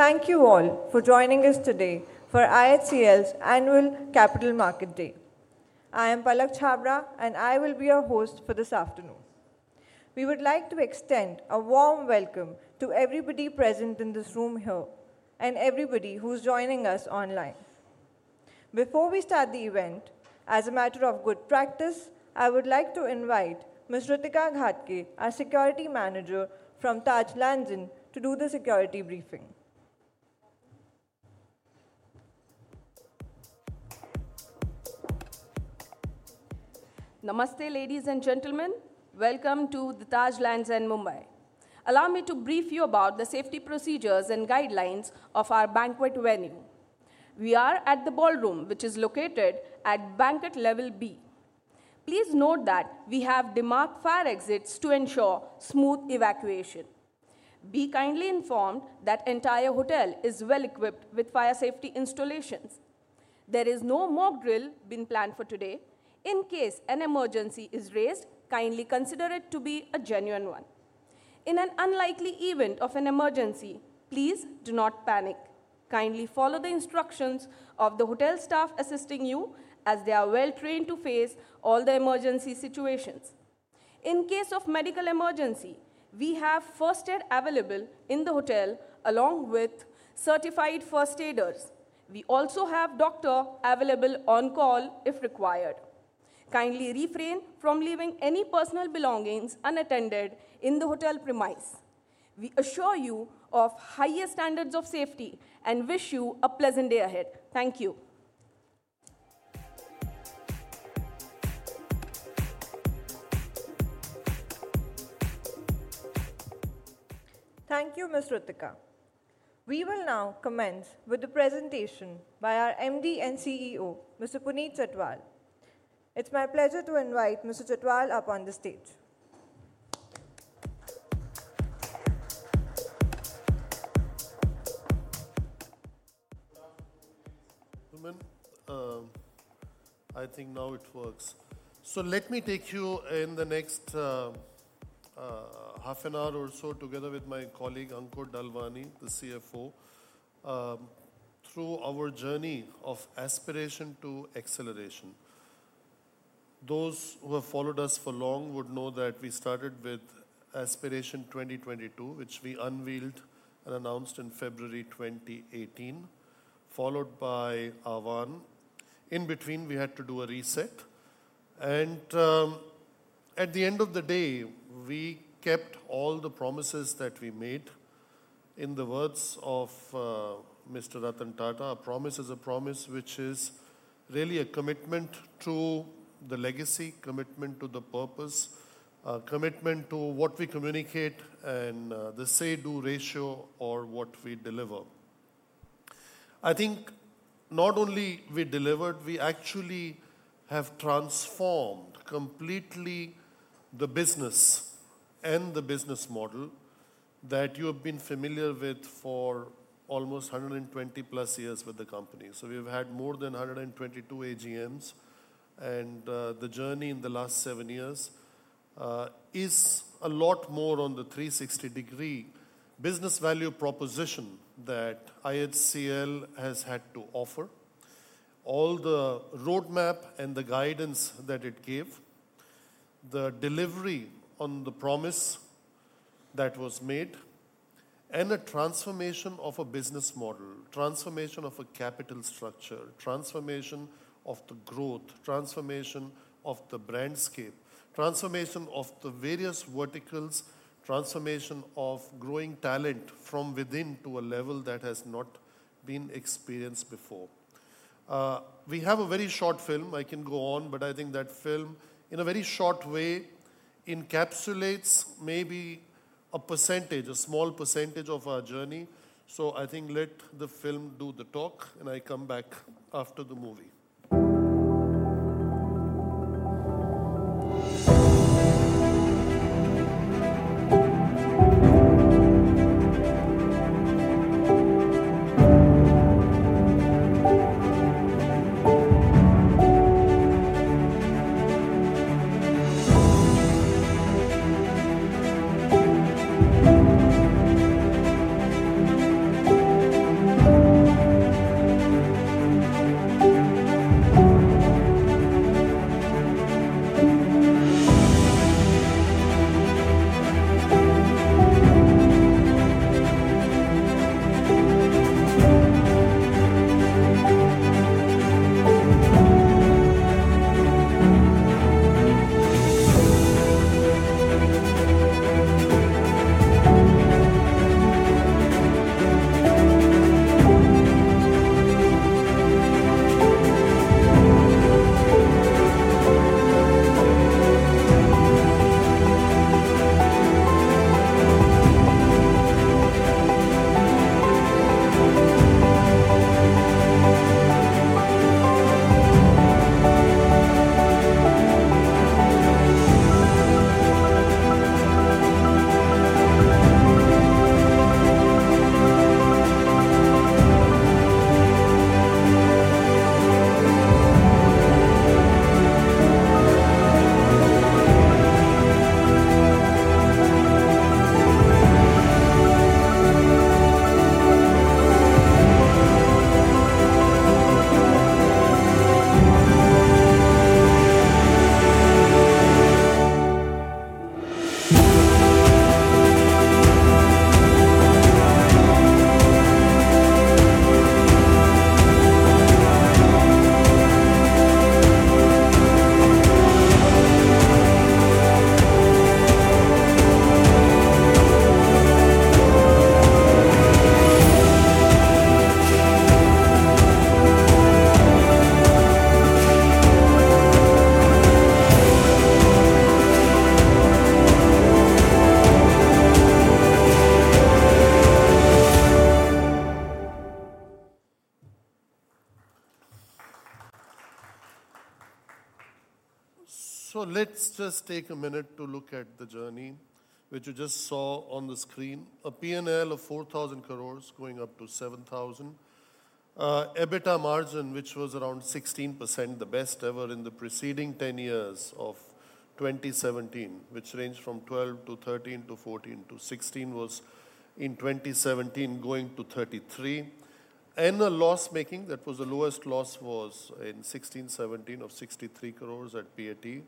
Thank you all for joining us today for IHCL's Annual Capital Market Day. I am Palak Chhabra, and I will be your host for this afternoon. We would like to extend a warm welcome to everybody present in this room here and everybody who's joining us online. Before we start the event, as a matter of good practice, I would like to invite Ms. Rhutika Ghatge, our Security Manager from Taj Lands End, to do the security briefing. Namaste, ladies and gentlemen. Welcome to the Taj Lands End, Mumbai. Allow me to brief you about the safety procedures and guidelines of our banquet venue. We are at the ballroom, which is located at banquet level B. Please note that we have demarked fire exits to ensure smooth evacuation. Be kindly informed that the entire hotel is well-equipped with fire safety installations. There is no mock drill being planned for today. In case an emergency is raised, kindly consider it to be a genuine one. In an unlikely event of an emergency, please do not panic. Kindly follow the instructions of the hotel staff assisting you, as they are well-trained to face all the emergency situations. In case of a medical emergency, we have first aid available in the hotel, along with certified first aiders. We also have doctors available on call if required. Kindly refrain from leaving any personal belongings unattended in the hotel premises. We assure you of the highest standards of safety and wish you a pleasant day ahead. Thank you. Thank you, Ms. Rhutika. We will now commence with a presentation by our MD and CEO, Mr. Puneet Chhatwal. It's my pleasure to invite Mr. Chhatwal up on the stage. Gentlemen, I think now it works, so let me take you in the next half an hour or so, together with my colleague Ankur Dalwani, the CFO, through our journey of aspiration to acceleration. Those who have followed us for long would know that we started with Aspiration 2022, which we unveiled and announced in February 2018, followed by Ahvaan. In between, we had to do a reset, and at the end of the day, we kept all the promises that we made. In the words of Mr. Ratan Tata, a promise is a promise, which is really a commitment to the legacy, a commitment to the purpose, a commitment to what we communicate, and the say-do ratio or what we deliver. I think not only have we delivered, we actually have transformed completely the business and the business model that you have been familiar with for almost 120 plus years with the company. So we have had more than 122 AGMs, and the journey in the last seven years is a lot more on the 360-degree business value proposition that IHCL has had to offer, all the roadmap and the guidance that it gave, the delivery on the promise that was made, and a transformation of a business model, a transformation of a capital structure, a transformation of the growth, a transformation of the brand scale, a transformation of the various verticals, a transformation of growing talent from within to a level that has not been experienced before. We have a very short film. I can go on, but I think that film, in a very short way, encapsulates maybe a percentage, a small percentage of our journey. So I think let the film do the talk, and I'll come back after the movie. So let's just take a minute to look at the journey which you just saw on the screen: a P&L of 4,000 crore going up to 7,000, EBITDA margin, which was around 16%, the best ever in the preceding 10 years of 2017, which ranged from 12% to 13% to 14% to 16%, was in 2017 going to 33%, and a loss-making that was the lowest loss was in 2016-2017 of 63 crore at PAT,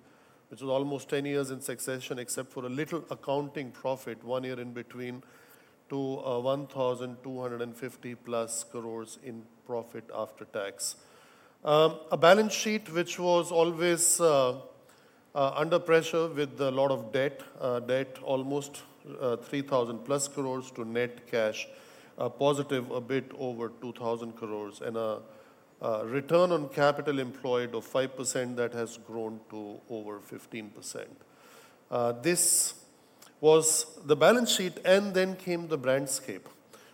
which was almost 10 years in succession, except for a little accounting profit one year in between to 1,250+ crore in profit after tax. A balance sheet which was always under pressure with a lot of debt, debt almost 3,000-plus crore to net cash positive a bit over 2,000 crore, and a return on capital employed of 5% that has grown to over 15%. This was the balance sheet, and then came the brand scale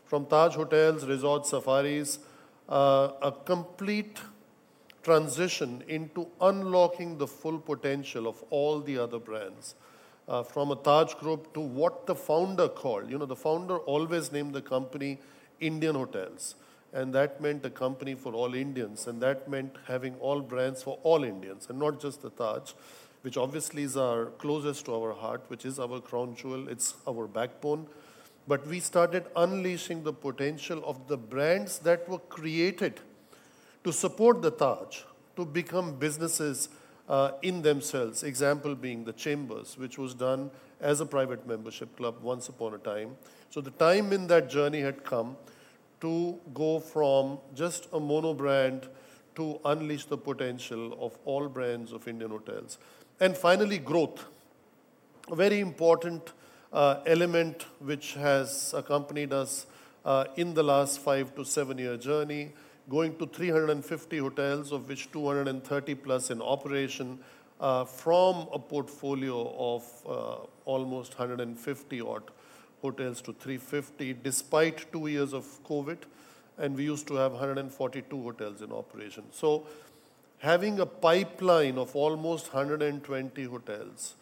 from Taj Hotels, resorts, safaris, a complete transition into unlocking the full potential of all the other brands from a Taj Group to what the Founder called. You know, the Founder always named the company Indian Hotels, and that meant a company for all Indians, and that meant having all brands for all Indians and not just the Taj, which obviously is our closest to our heart, which is our crown jewel. It's our backbone, but we started unleashing the potential of the brands that were created to support the Taj to become businesses in themselves. Example being The Chambers, which was done as a private membership club once upon a time. So the time in that journey had come to go from just a mono brand to unleash the potential of all brands of Indian Hotels. And finally, growth, a very important element which has accompanied us in the last five-to-seven-year journey, going to 350 hotels, of which 230-plus in operation from a portfolio of almost 150 hotels to 350 despite two years of COVID. And we used to have 142 hotels in operation. So having a pipeline of almost 120 hotels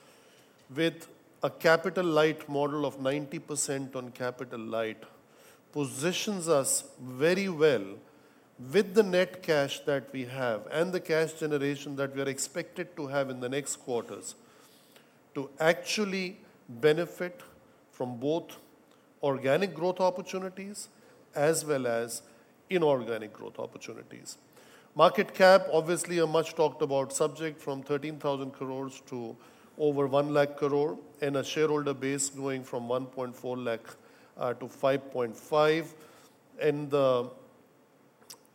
with a capital-light model of 90% on capital-light positions us very well with the net cash that we have and the cash generation that we are expected to have in the next quarters to actually benefit from both organic growth opportunities as well as inorganic growth opportunities. Market cap, obviously a much talked-about subject from 13,000 crore to over 1 lakh crore and a shareholder base going from 1.4 lakh to 5.5, and the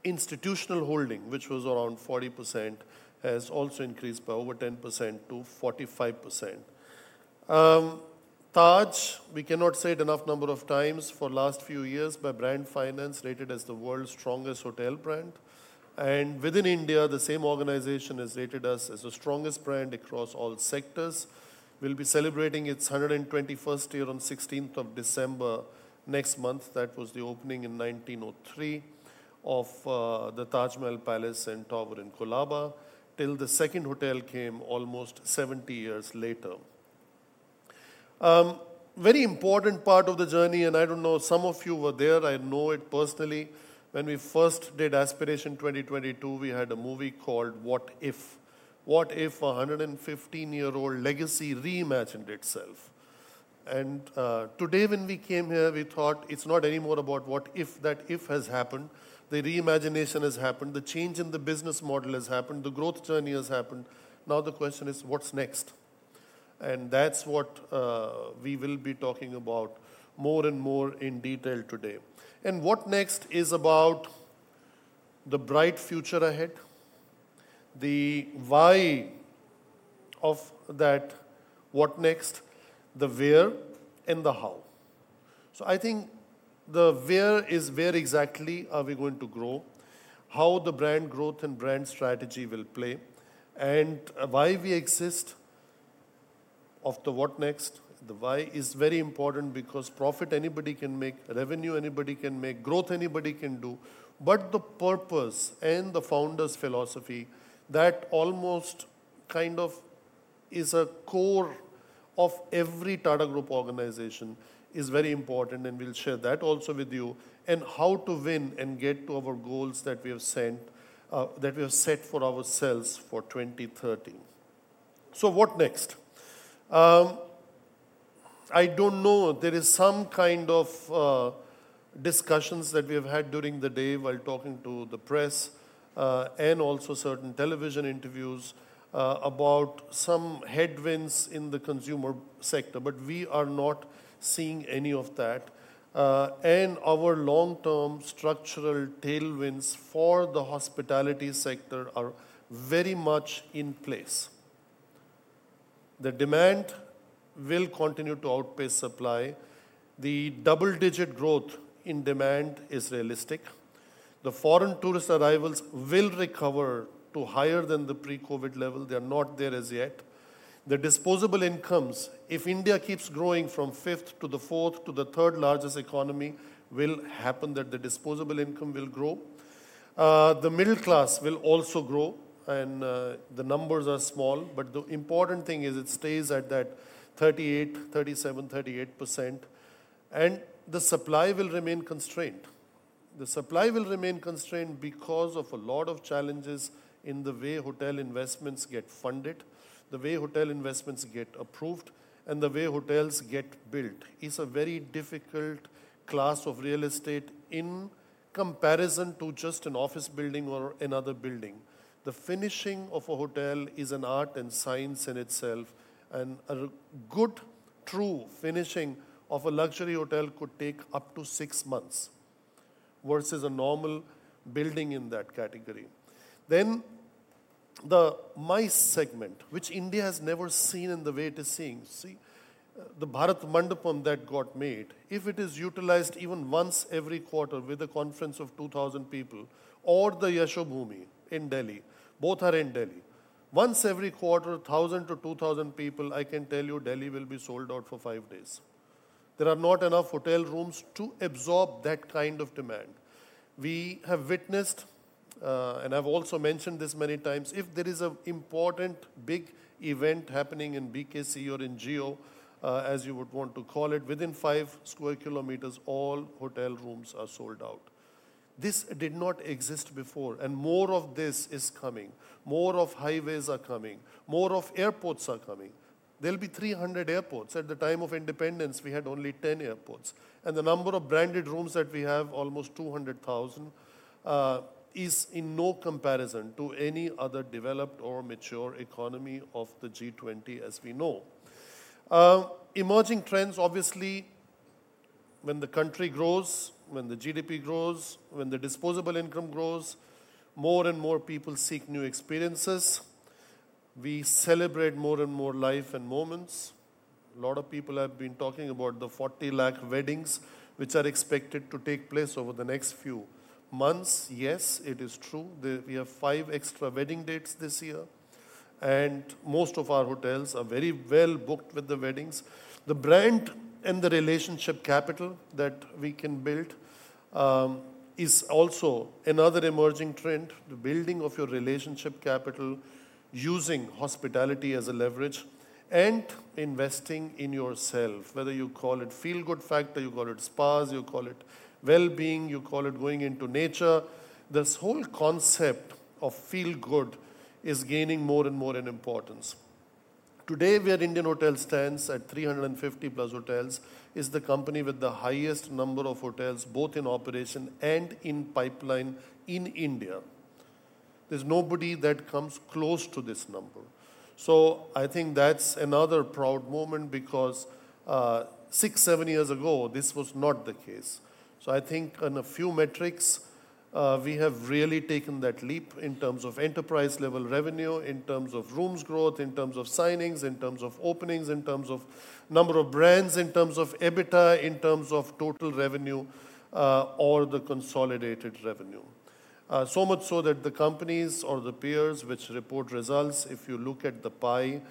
institutional holding, which was around 40%, has also increased by over 10%-45%. Taj, we cannot say it enough number of times for the last few years, by Brand Finance rated as the world's strongest hotel brand. And within India, the same organization has rated us as the strongest brand across all sectors. We'll be celebrating its 121st year on the 16th of December next month. That was the opening in 1903 of the Taj Mahal Palace and Tower in Colaba till the second hotel came almost 70 years later. Very important part of the journey, and I don't know if some of you were there. I know it personally. When we first did Aspiration 2022, we had a movie called What If. What If, a 115-year-old legacy, reimagined itself. And today, when we came here, we thought it's not anymore about what if that if has happened. The reimagination has happened. The change in the business model has happened. The growth journey has happened. Now the question is, what's next? And that's what we will be talking about more and more in detail today. And what next is about the bright future ahead, the why of that what next, the where, and the how. So I think the where is where exactly are we going to grow, how the brand growth and brand strategy will play, and why we exist. Of the what next, the why is very important because profit anybody can make, revenue anybody can make, growth anybody can do. But the purpose and the Founder's philosophy that almost kind of is a core of every Tata Group organization is very important, and we'll share that also with you, and how to win and get to our goals that we have set for ourselves for 2030. So what next? I don't know. There is some kind of discussions that we have had during the day while talking to the press and also certain television interviews about some headwinds in the consumer sector, but we are not seeing any of that. And our long-term structural tailwinds for the hospitality sector are very much in place. The demand will continue to outpace supply. The double-digit growth in demand is realistic. The foreign tourist arrivals will recover to higher than the pre-COVID level. They are not there as yet. The disposable incomes, if India keeps growing from fifth to the fourth to the third largest economy, will happen that the disposable income will grow. The middle class will also grow, and the numbers are small, but the important thing is it stays at that 38%, 37%, 38%. The supply will remain constrained. The supply will remain constrained because of a lot of challenges in the way hotel investments get funded, the way hotel investments get approved, and the way hotels get built. It is a very difficult class of real estate in comparison to just an office building or another building. The finishing of a hotel is an art and science in itself, and a good, true finishing of a luxury hotel could take up to six months versus a normal building in that category. Then the MICE segment, which India has never seen and the way it is seeing. See, the Bharat Mandapam that got made. If it is utilized even once every quarter with a conference of 2,000 people or the Yashobhoomi in Delhi, both are in Delhi, once every quarter, 1,000 to 2,000 people, I can tell you Delhi will be sold out for five days. There are not enough hotel rooms to absorb that kind of demand. We have witnessed, and I've also mentioned this many times, if there is an important big event happening in BKC or in Jio, as you would want to call it, within five square kilometers, all hotel rooms are sold out. This did not exist before, and more of this is coming. More of highways are coming. More of airports are coming. There'll be 300 airports. At the time of independence, we had only 10 airports, and the number of branded rooms that we have, almost 200,000, is in no comparison to any other developed or mature economy of the G20 as we know. Emerging trends, obviously, when the country grows, when the GDP grows, when the disposable income grows, more and more people seek new experiences. We celebrate more and more life and moments. A lot of people have been talking about the 40 lakh weddings which are expected to take place over the next few months. Yes, it is true. We have five extra wedding dates this year, and most of our hotels are very well booked with the weddings. The brand and the relationship capital that we can build is also another emerging trend, the building of your relationship capital using hospitality as a leverage and investing in yourself, whether you call it feel-good factor, you call it spas, you call it well-being, you call it going into nature. This whole concept of feel-good is gaining more and more in importance. Today, where Indian Hotels stands at 350 plus hotels is the company with the highest number of hotels both in operation and in pipeline in India. There's nobody that comes close to this number. So I think that's another proud moment because six, seven years ago, this was not the case. So I think on a few metrics, we have really taken that leap in terms of enterprise-level revenue, in terms of rooms growth, in terms of signings, in terms of openings, in terms of number of brands, in terms of EBITDA, in terms of total revenue, or the consolidated revenue. So much so that the companies or the peers which report results, if you look at the pie,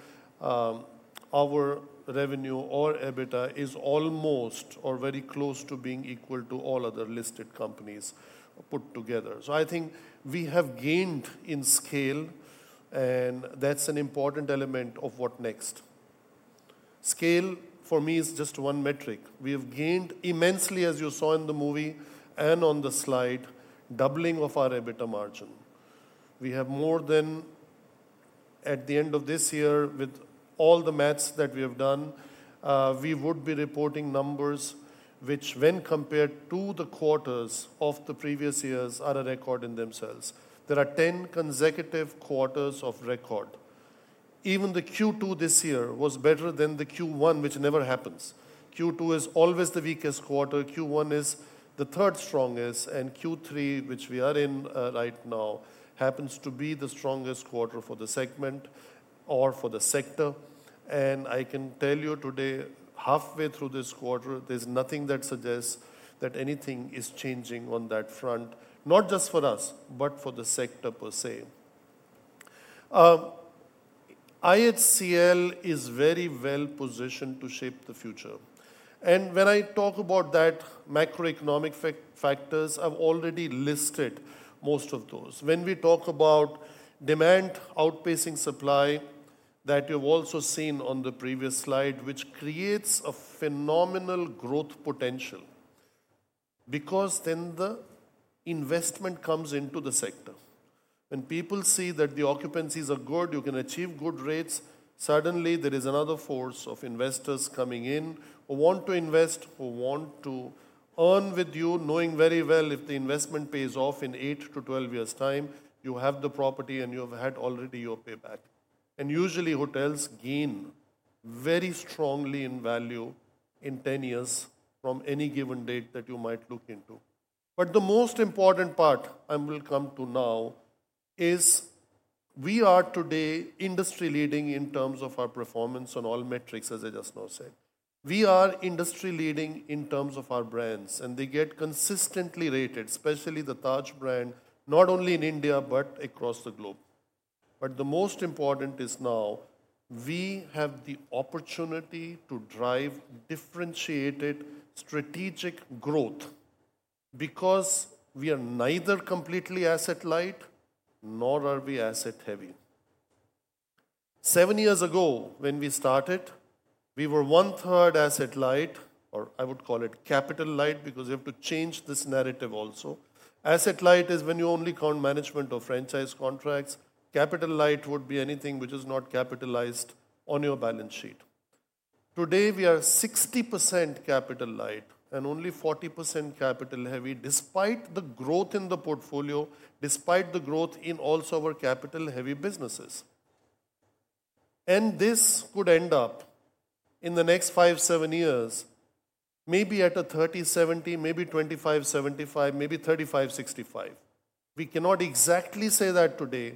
our revenue or EBITDA is almost or very close to being equal to all other listed companies put together. So I think we have gained in scale, and that's an important element of what next. Scale for me is just one metric. We have gained immensely, as you saw in the movie and on the slide, doubling of our EBITDA margin. We have more than at the end of this year, with all the math that we have done, we would be reporting numbers which, when compared to the quarters of the previous years, are a record in themselves. There are 10 consecutive quarters of record. Even the Q2 this year was better than the Q1, which never happens. Q2 is always the weakest quarter. Q1 is the third strongest, and Q3, which we are in right now, happens to be the strongest quarter for the segment or for the sector. And I can tell you today, halfway through this quarter, there's nothing that suggests that anything is changing on that front, not just for us, but for the sector per se. IHCL is very well positioned to shape the future. And when I talk about that macroeconomic factors, I've already listed most of those. When we talk about demand outpacing supply that you've also seen on the previous slide, which creates a phenomenal growth potential because then the investment comes into the sector. When people see that the occupancies are good, you can achieve good rates, suddenly there is another force of investors coming in who want to invest, who want to earn with you, knowing very well if the investment pays off in eight to 12 years' time, you have the property and you have had already your payback. And usually, hotels gain very strongly in value in 10 years from any given date that you might look into. But the most important part I will come to now is we are today industry-leading in terms of our performance on all metrics, as I just now said. We are industry-leading in terms of our brands, and they get consistently rated, especially the Taj brand, not only in India but across the globe. But the most important is now we have the opportunity to drive differentiated strategic growth because we are neither completely asset-light nor are we asset-heavy. Seven years ago when we started, we were one-third asset-light, or I would call it capital-light because you have to change this narrative also. Asset-light is when you only count management or franchise contracts. Capital-light would be anything which is not capitalized on your balance sheet. Today, we are 60% capital-light and only 40% capital-heavy despite the growth in the portfolio, despite the growth in also our capital-heavy businesses. And this could end up in the next five, seven years maybe at a 30/70, maybe 25/75, maybe 35/65. We cannot exactly say that today,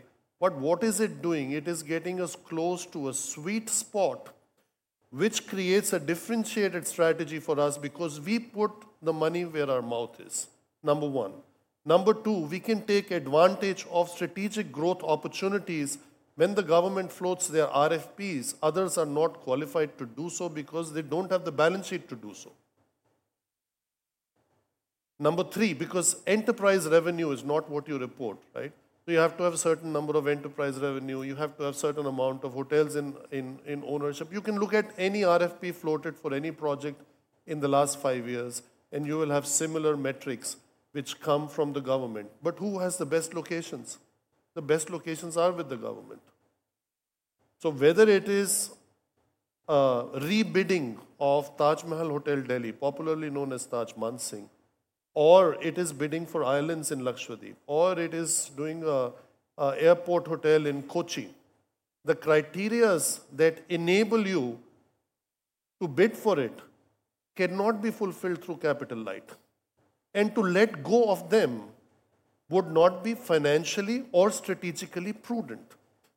but what is it doing? It is getting us close to a sweet spot, which creates a differentiated strategy for us because we put the money where our mouth is, number one. Number two, we can take advantage of strategic growth opportunities when the government floats their RFPs. Others are not qualified to do so because they don't have the balance sheet to do so. Number three, because enterprise revenue is not what you report, right? So you have to have a certain number of enterprise revenue. You have to have a certain amount of hotels in ownership. You can look at any RFP floated for any project in the last five years, and you will have similar metrics which come from the government. But who has the best locations? The best locations are with the government. Whether it is rebidding of Taj Mahal Hotel Delhi, popularly known as Taj Mansingh, or it is bidding for islands in Lakshadweep, or it is doing an airport hotel in Kochi, the criteria that enable you to bid for it cannot be fulfilled through capital-light. And to let go of them would not be financially or strategically prudent.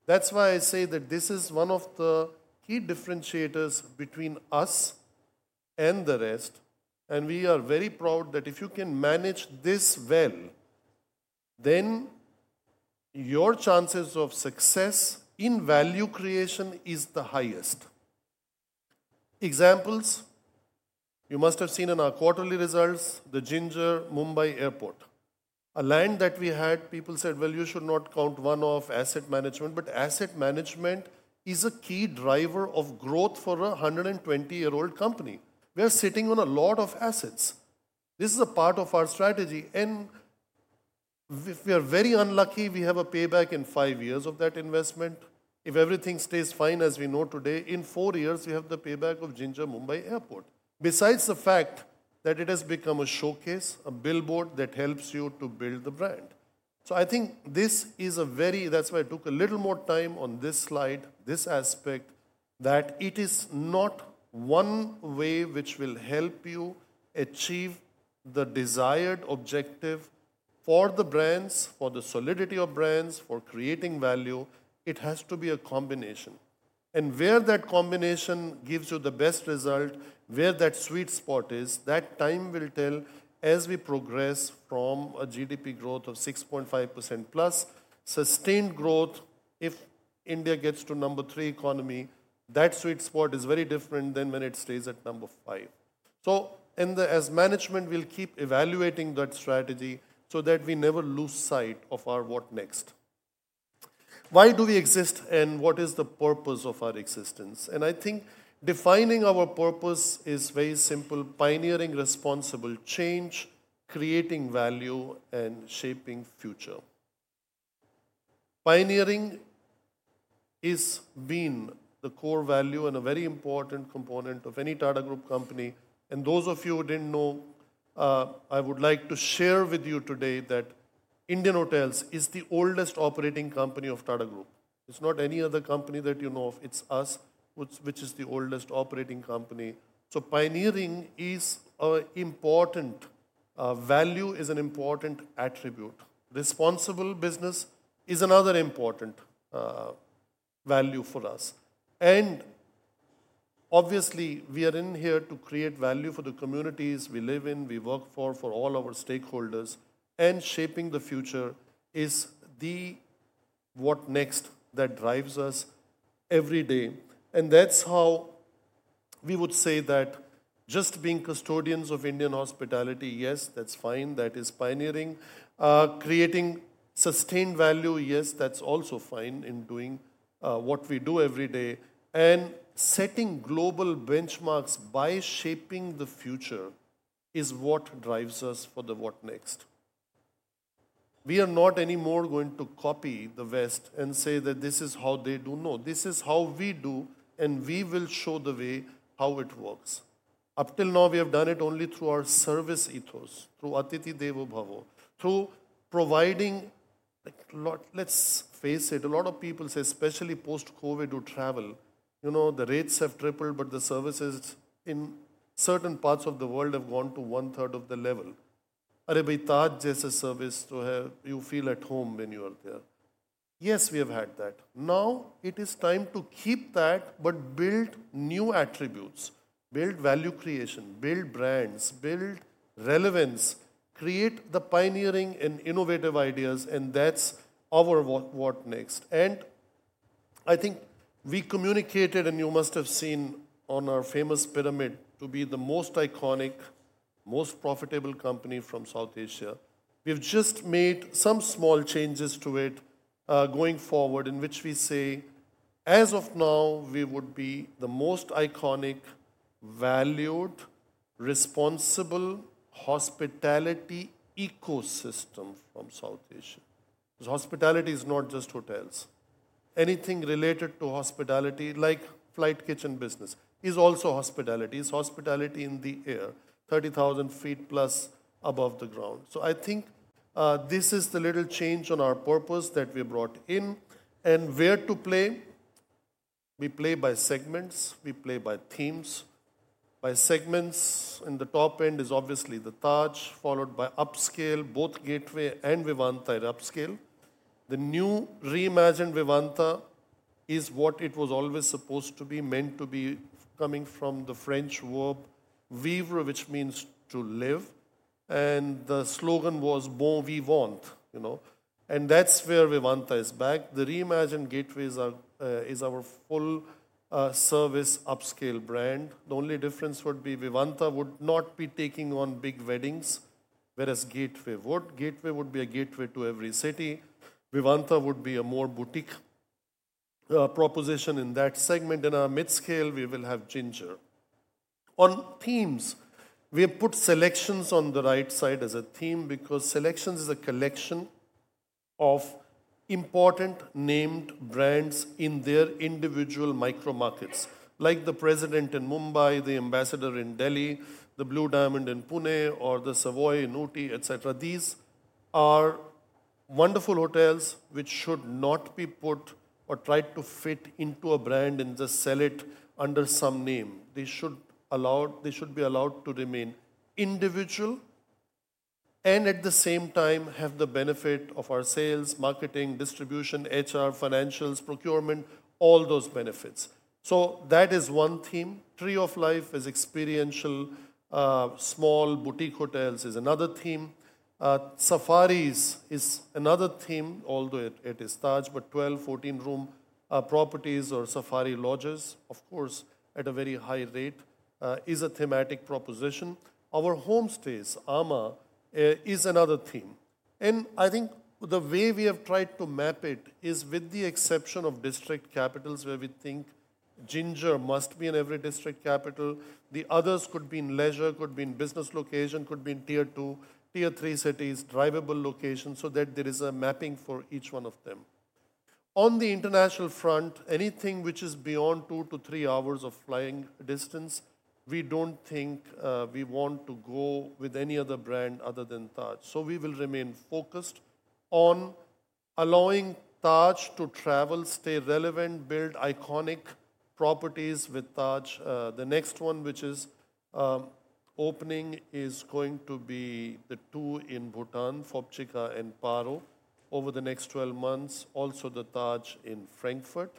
That's why I say that this is one of the key differentiators between us and the rest. And we are very proud that if you can manage this well, then your chances of success in value creation are the highest. Examples, you must have seen in our quarterly results, the Ginger Mumbai Airport, a land that we had. People said, "Well, you should not count one-off asset management," but asset management is a key driver of growth for a 120-year-old company. We are sitting on a lot of assets. This is a part of our strategy. And if we are very unlucky, we have a payback in five years of that investment. If everything stays fine as we know today, in four years, we have the payback of Ginger Mumbai Airport, besides the fact that it has become a showcase, a billboard that helps you to build the brand. So I think this is a very, that's why I took a little more time on this slide, this aspect, that it is not one way which will help you achieve the desired objective for the brands, for the solidity of brands, for creating value. It has to be a combination. And where that combination gives you the best result, where that sweet spot is, that time will tell as we progress from a GDP growth of 6.5%+ sustained growth. If India gets to number three economy, that sweet spot is very different than when it stays at number five. Management will keep evaluating that strategy so that we never lose sight of our what next. Why do we exist, and what is the purpose of our existence? I think defining our purpose is very simple: pioneering responsible change, creating value, and shaping future. Pioneering has been the core value and a very important component of any Tata Group company. Those of you who didn't know, I would like to share with you today that Indian Hotels is the oldest operating company of Tata Group. It's not any other company that you know of. It's us, which is the oldest operating company. Pioneering is an important value, is an important attribute. Responsible business is another important value for us. And obviously, we are in here to create value for the communities we live in, we work for, for all our stakeholders. And shaping the future is the what next that drives us every day. And that's how we would say that just being custodians of Indian hospitality, yes, that's fine. That is pioneering. Creating sustained value, yes, that's also fine in doing what we do every day. And setting global benchmarks by shaping the future is what drives us for the what next. We are not anymore going to copy the West and say that this is how they do. No, this is how we do, and we will show the way how it works. Up till now, we have done it only through our service ethos, through Atithi Devo Bhava, through providing - let's face it, a lot of people say, especially post-COVID, who travel. The rates have tripled, but the services in certain parts of the world have gone to one-third of the level. Arre bhai Taj, just a service to have. You feel at home when you are there. Yes, we have had that. Now it is time to keep that, but build new attributes, build value creation, build brands, build relevance, create the pioneering and innovative ideas, and that's our what next. And I think we communicated, and you must have seen on our famous pyramid to be the most iconic, most profitable company from South Asia. We have just made some small changes to it going forward in which we say, as of now, we would be the most iconic, valued, responsible hospitality ecosystem from South Asia. Hospitality is not just hotels. Anything related to hospitality, like flight kitchen business, is also hospitality. It's hospitality in the air, 30,000 feet plus above the ground. So I think this is the little change on our purpose that we have brought in. And where to play? We play by segments. We play by themes. By segments in the top end is obviously the Taj, followed by upscale, both Gateway and Vivanta upscale. The new reimagined Vivanta is what it was always supposed to be, meant to be coming from the French verb vivre, which means to live. And the slogan was, "Bon Vivant." And that's where Vivanta is back. The reimagined Gateway is our full-service upscale brand. The only difference would be Vivanta would not be taking on big weddings, whereas Gateway would. Gateway would be a gateway to every city. Vivanta would be a more boutique proposition in that segment. In our mid-scale, we will have Ginger. On themes, we have put SeleQtions on the right side as a theme because SeleQtions is a collection of important named brands in their individual micro-markets, like the President in Mumbai, the Ambassador in Delhi, the Blue Diamond in Pune, or the Savoy in Ooty, etc. These are wonderful hotels which should not be put or tried to fit into a brand and just sell it under some name. They should be allowed to remain individual and at the same time have the benefit of our sales, marketing, distribution, HR, financials, procurement, all those benefits. So that is one theme. Tree of Life is experiential. Small boutique hotels is another theme. Safaris is another theme, although it is Taj, but 12, 14-room properties or safari lodges, of course, at a very high rate is a thematic proposition. Our homestays, amã, is another theme. And I think the way we have tried to map it is with the exception of district capitals where we think Ginger must be in every district capital. The others could be in leisure, could be in business location, could be in tier two, tier three cities, drivable locations so that there is a mapping for each one of them. On the international front, anything which is beyond two to three hours of flying distance, we don't think we want to go with any other brand other than Taj. So we will remain focused on allowing Taj to travel, stay relevant, build iconic properties with Taj. The next one which is opening is going to be the two in Bhutan, Phobjikha and Paro, over the next 12 months. Also the Taj in Frankfurt.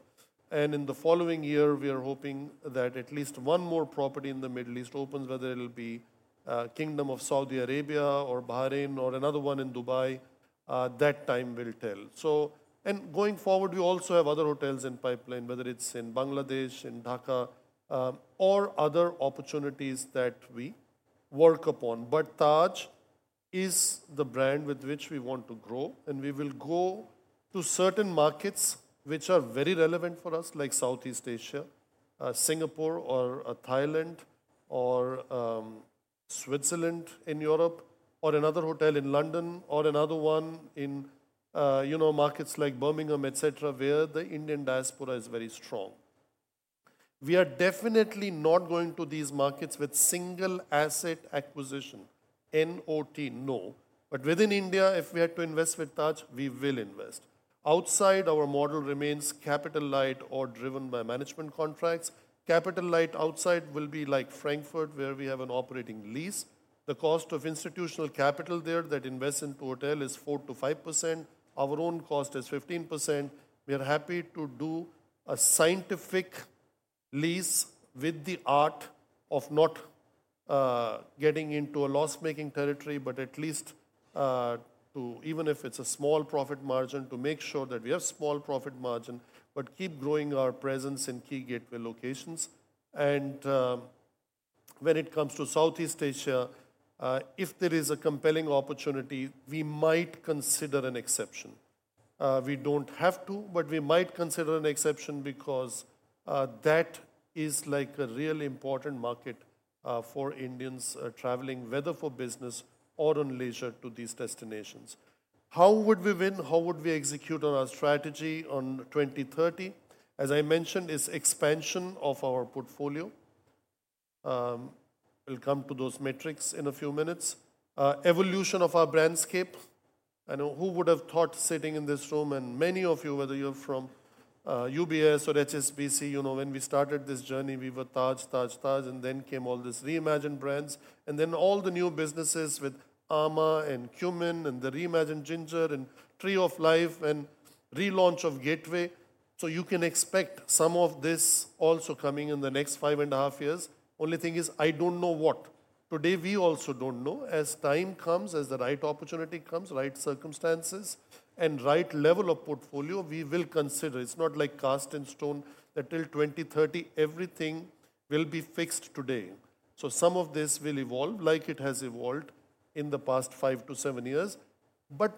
In the following year, we are hoping that at least one more property in the Middle East opens, whether it will be Kingdom of Saudi Arabia or Bahrain or another one in Dubai. That time will tell. Going forward, we also have other hotels in the pipeline, whether it's in Bangladesh, in Dhaka, or other opportunities that we work upon. Taj is the brand with which we want to grow. We will go to certain markets which are very relevant for us, like Southeast Asia, Singapore, or Thailand, or Switzerland in Europe, or another hotel in London, or another one in markets like Birmingham, etc., where the Indian diaspora is very strong. We are definitely not going to these markets with single asset acquisition, NOT, no. Within India, if we had to invest with Taj, we will invest. Outside, our model remains capital-light or driven by management contracts. Capital-light outside will be like Frankfurt, where we have an operating lease. The cost of institutional capital there that invests into hotel is 4%-5%. Our own cost is 15%. We are happy to do an operating lease with the art of not getting into a loss-making territory, but at least to, even if it's a small profit margin, to make sure that we have a small profit margin, but keep growing our presence in key Gateway locations. And when it comes to Southeast Asia, if there is a compelling opportunity, we might consider an exception. We don't have to, but we might consider an exception because that is like a real important market for Indians traveling, whether for business or on leisure to these destinations. How would we win? How would we execute on our strategy to 2030? As I mentioned, it's expansion of our portfolio. We'll come to those metrics in a few minutes. Evolution of our brandscape. Who would have thought sitting in this room, and many of you, whether you're from UBS or HSBC, when we started this journey, we were Taj, Taj, Taj, and then came all these reimagined brands. And then all the new businesses with amã and Qmin and the reimagined Ginger and Tree of Life and relaunch of Gateway. So you can expect some of this also coming in the next five and a half years. Only thing is, I don't know what. Today, we also don't know. As time comes, as the right opportunity comes, right circumstances, and right level of portfolio, we will consider. It's not like cast in stone that till 2030, everything will be fixed today. So some of this will evolve like it has evolved in the past five to seven years. But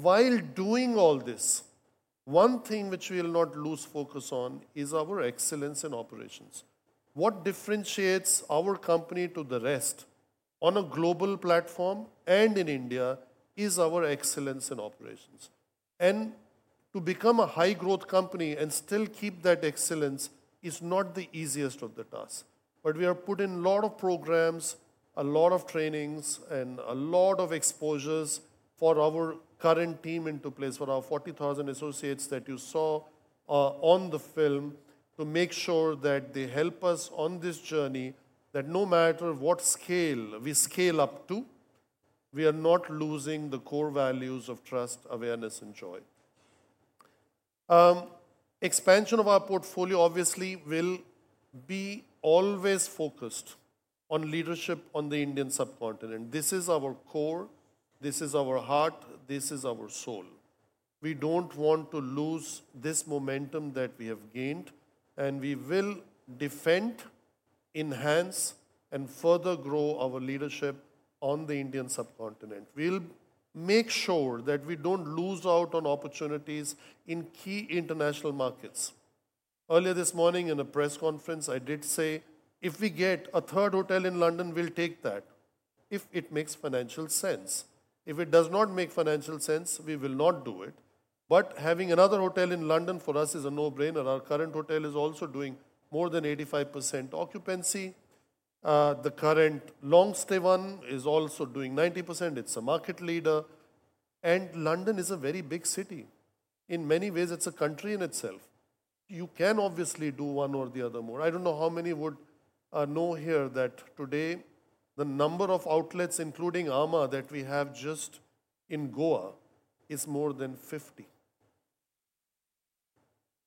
while doing all this, one thing which we will not lose focus on is our excellence in operations. What differentiates our company to the rest on a global platform and in India is our excellence in operations. And to become a high-growth company and still keep that excellence is not the easiest of the tasks. But we are putting a lot of programs, a lot of trainings, and a lot of exposures for our current team into place for our 40,000 associates that you saw on the film to make sure that they help us on this journey, that no matter what scale we scale up to, we are not losing the core values of trust, awareness, and joy. Expansion of our portfolio, obviously, will be always focused on leadership on the Indian subcontinent. This is our core. This is our heart. This is our soul. We don't want to lose this momentum that we have gained. And we will defend, enhance, and further grow our leadership on the Indian subcontinent. We'll make sure that we don't lose out on opportunities in key international markets. Earlier this morning, in a press conference, I did say, "If we get a third hotel in London, we'll take that if it makes financial sense. If it does not make financial sense, we will not do it." But having another hotel in London for us is a no-brainer. Our current hotel is also doing more than 85% occupancy. The current long-stay one is also doing 90%. It's a market leader. And London is a very big city. In many ways, it's a country in itself. You can obviously do one or the other more. I don't know how many would know here that today, the number of outlets, including amã, that we have just in Goa is more than 50,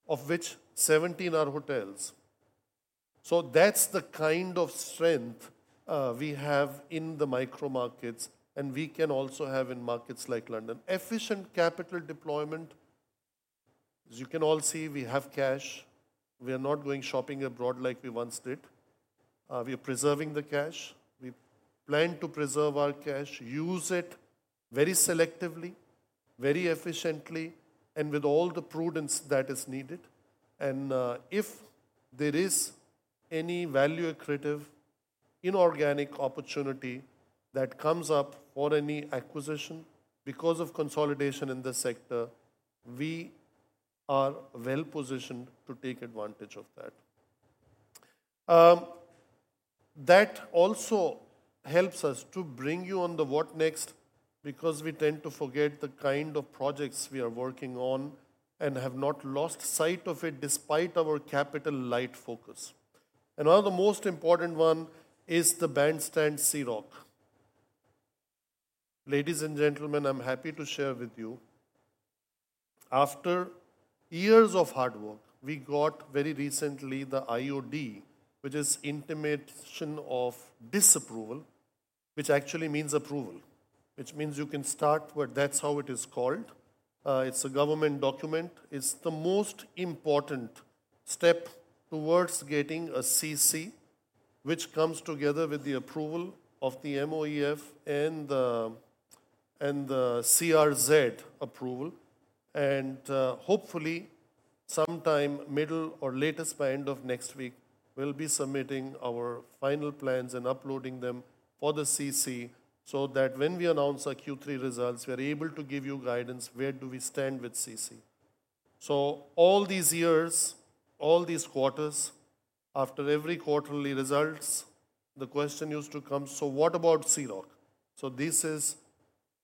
of which 17 are hotels. So that's the kind of strength we have in the micro-markets, and we can also have in markets like London. Efficient capital deployment. As you can all see, we have cash. We are not going shopping abroad like we once did. We are preserving the cash. We plan to preserve our cash, use it very selectively, very efficiently, and with all the prudence that is needed. And if there is any value-accretive inorganic opportunity that comes up for any acquisition because of consolidation in the sector, we are well-positioned to take advantage of that. That also helps us to bring you on the what next because we tend to forget the kind of projects we are working on and have not lost sight of it despite our capital-light focus. One of the most important ones is the Bandstand Sea Rock. Ladies and gentlemen, I'm happy to share with you, after years of hard work, we got very recently the IOD, which is Intimation of Disapproval, which actually means approval, which means you can start, but that's how it is called. It's a government document. It's the most important step towards getting a CC, which comes together with the approval of the MOEF and the CRZ approval. And hopefully, sometime middle or latest by end of next week, we'll be submitting our final plans and uploading them for the CC so that when we announce our Q3 results, we are able to give you guidance where do we stand with CC. So all these years, all these quarters, after every quarterly results, the question used to come, "So what about Sea Rock?" So this is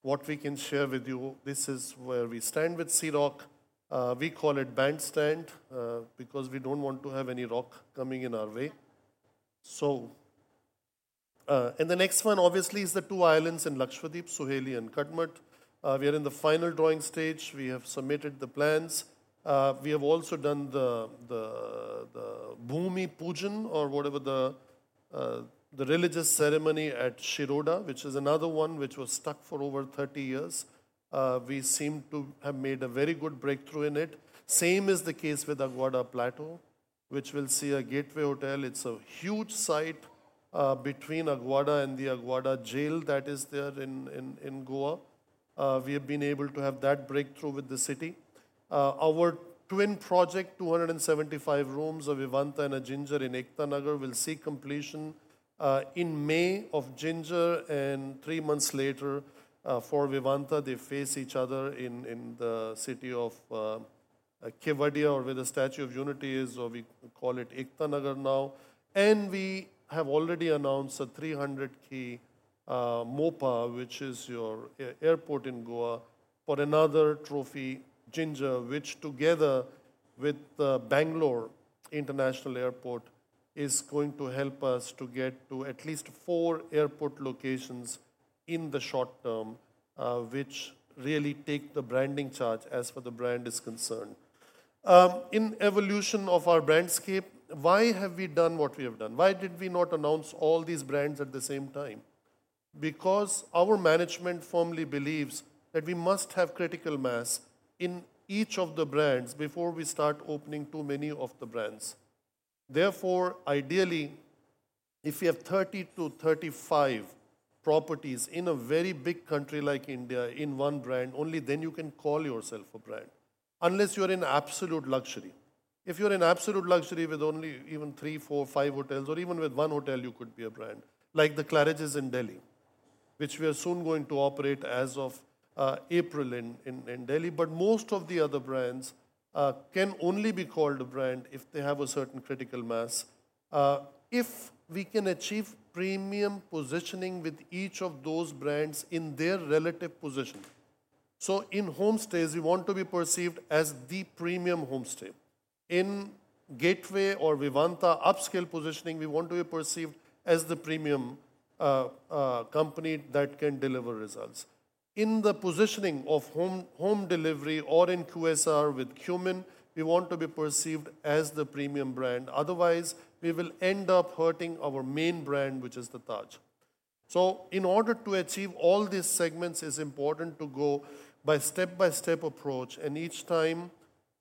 what we can share with you. This is where we stand with Sea Rock. We call it Bandstand because we don't want to have any rock coming in our way. So in the next one, obviously, is the two islands in Lakshadweep, Suheli and Kadmat. We are in the final drawing stage. We have submitted the plans. We have also done the Bhoomi Pujan or whatever the religious ceremony at Shiroda, which is another one which was stuck for over 30 years. We seem to have made a very good breakthrough in it. Same is the case with Aguada Plateau, which we'll see a Gateway Hotel. It's a huge site between Aguada and the Aguada jail that is there in Goa. We have been able to have that breakthrough with the city. Our twin project, 275 rooms of Vivanta and a Ginger in Ekta Nagar, will see completion in May of Ginger and three months later for Vivanta. They face each other in the city of Kevadia or where the Statue of Unity is, or we call it Ekta Nagar now. We have already announced a 300-key Mopa, which is your airport in Goa, for another trophy, Ginger, which together with the Bangalore International Airport is going to help us to get to at least four airport locations in the short term, which really take the branding charge as far as the brand is concerned. In evolution of our brandscape, why have we done what we have done? Why did we not announce all these brands at the same time? Because our management firmly believes that we must have critical mass in each of the brands before we start opening too many of the brands. Therefore, ideally, if you have 30-35 properties in a very big country like India in one brand, only then you can call yourself a brand, unless you're in absolute luxury. If you're in absolute luxury with only even three, four, five hotels, or even with one hotel, you could be a brand, like The Claridges in Delhi, which we are soon going to operate as of April in Delhi. But most of the other brands can only be called a brand if they have a certain critical mass, if we can achieve premium positioning with each of those brands in their relative position. So in homestays, we want to be perceived as the premium homestay. In Gateway or Vivanta upscale positioning, we want to be perceived as the premium company that can deliver results. In the positioning of home delivery or in QSR with Qmin, we want to be perceived as the premium brand. Otherwise, we will end up hurting our main brand, which is the Taj. So in order to achieve all these segments, it is important to go by step-by-step approach. And each time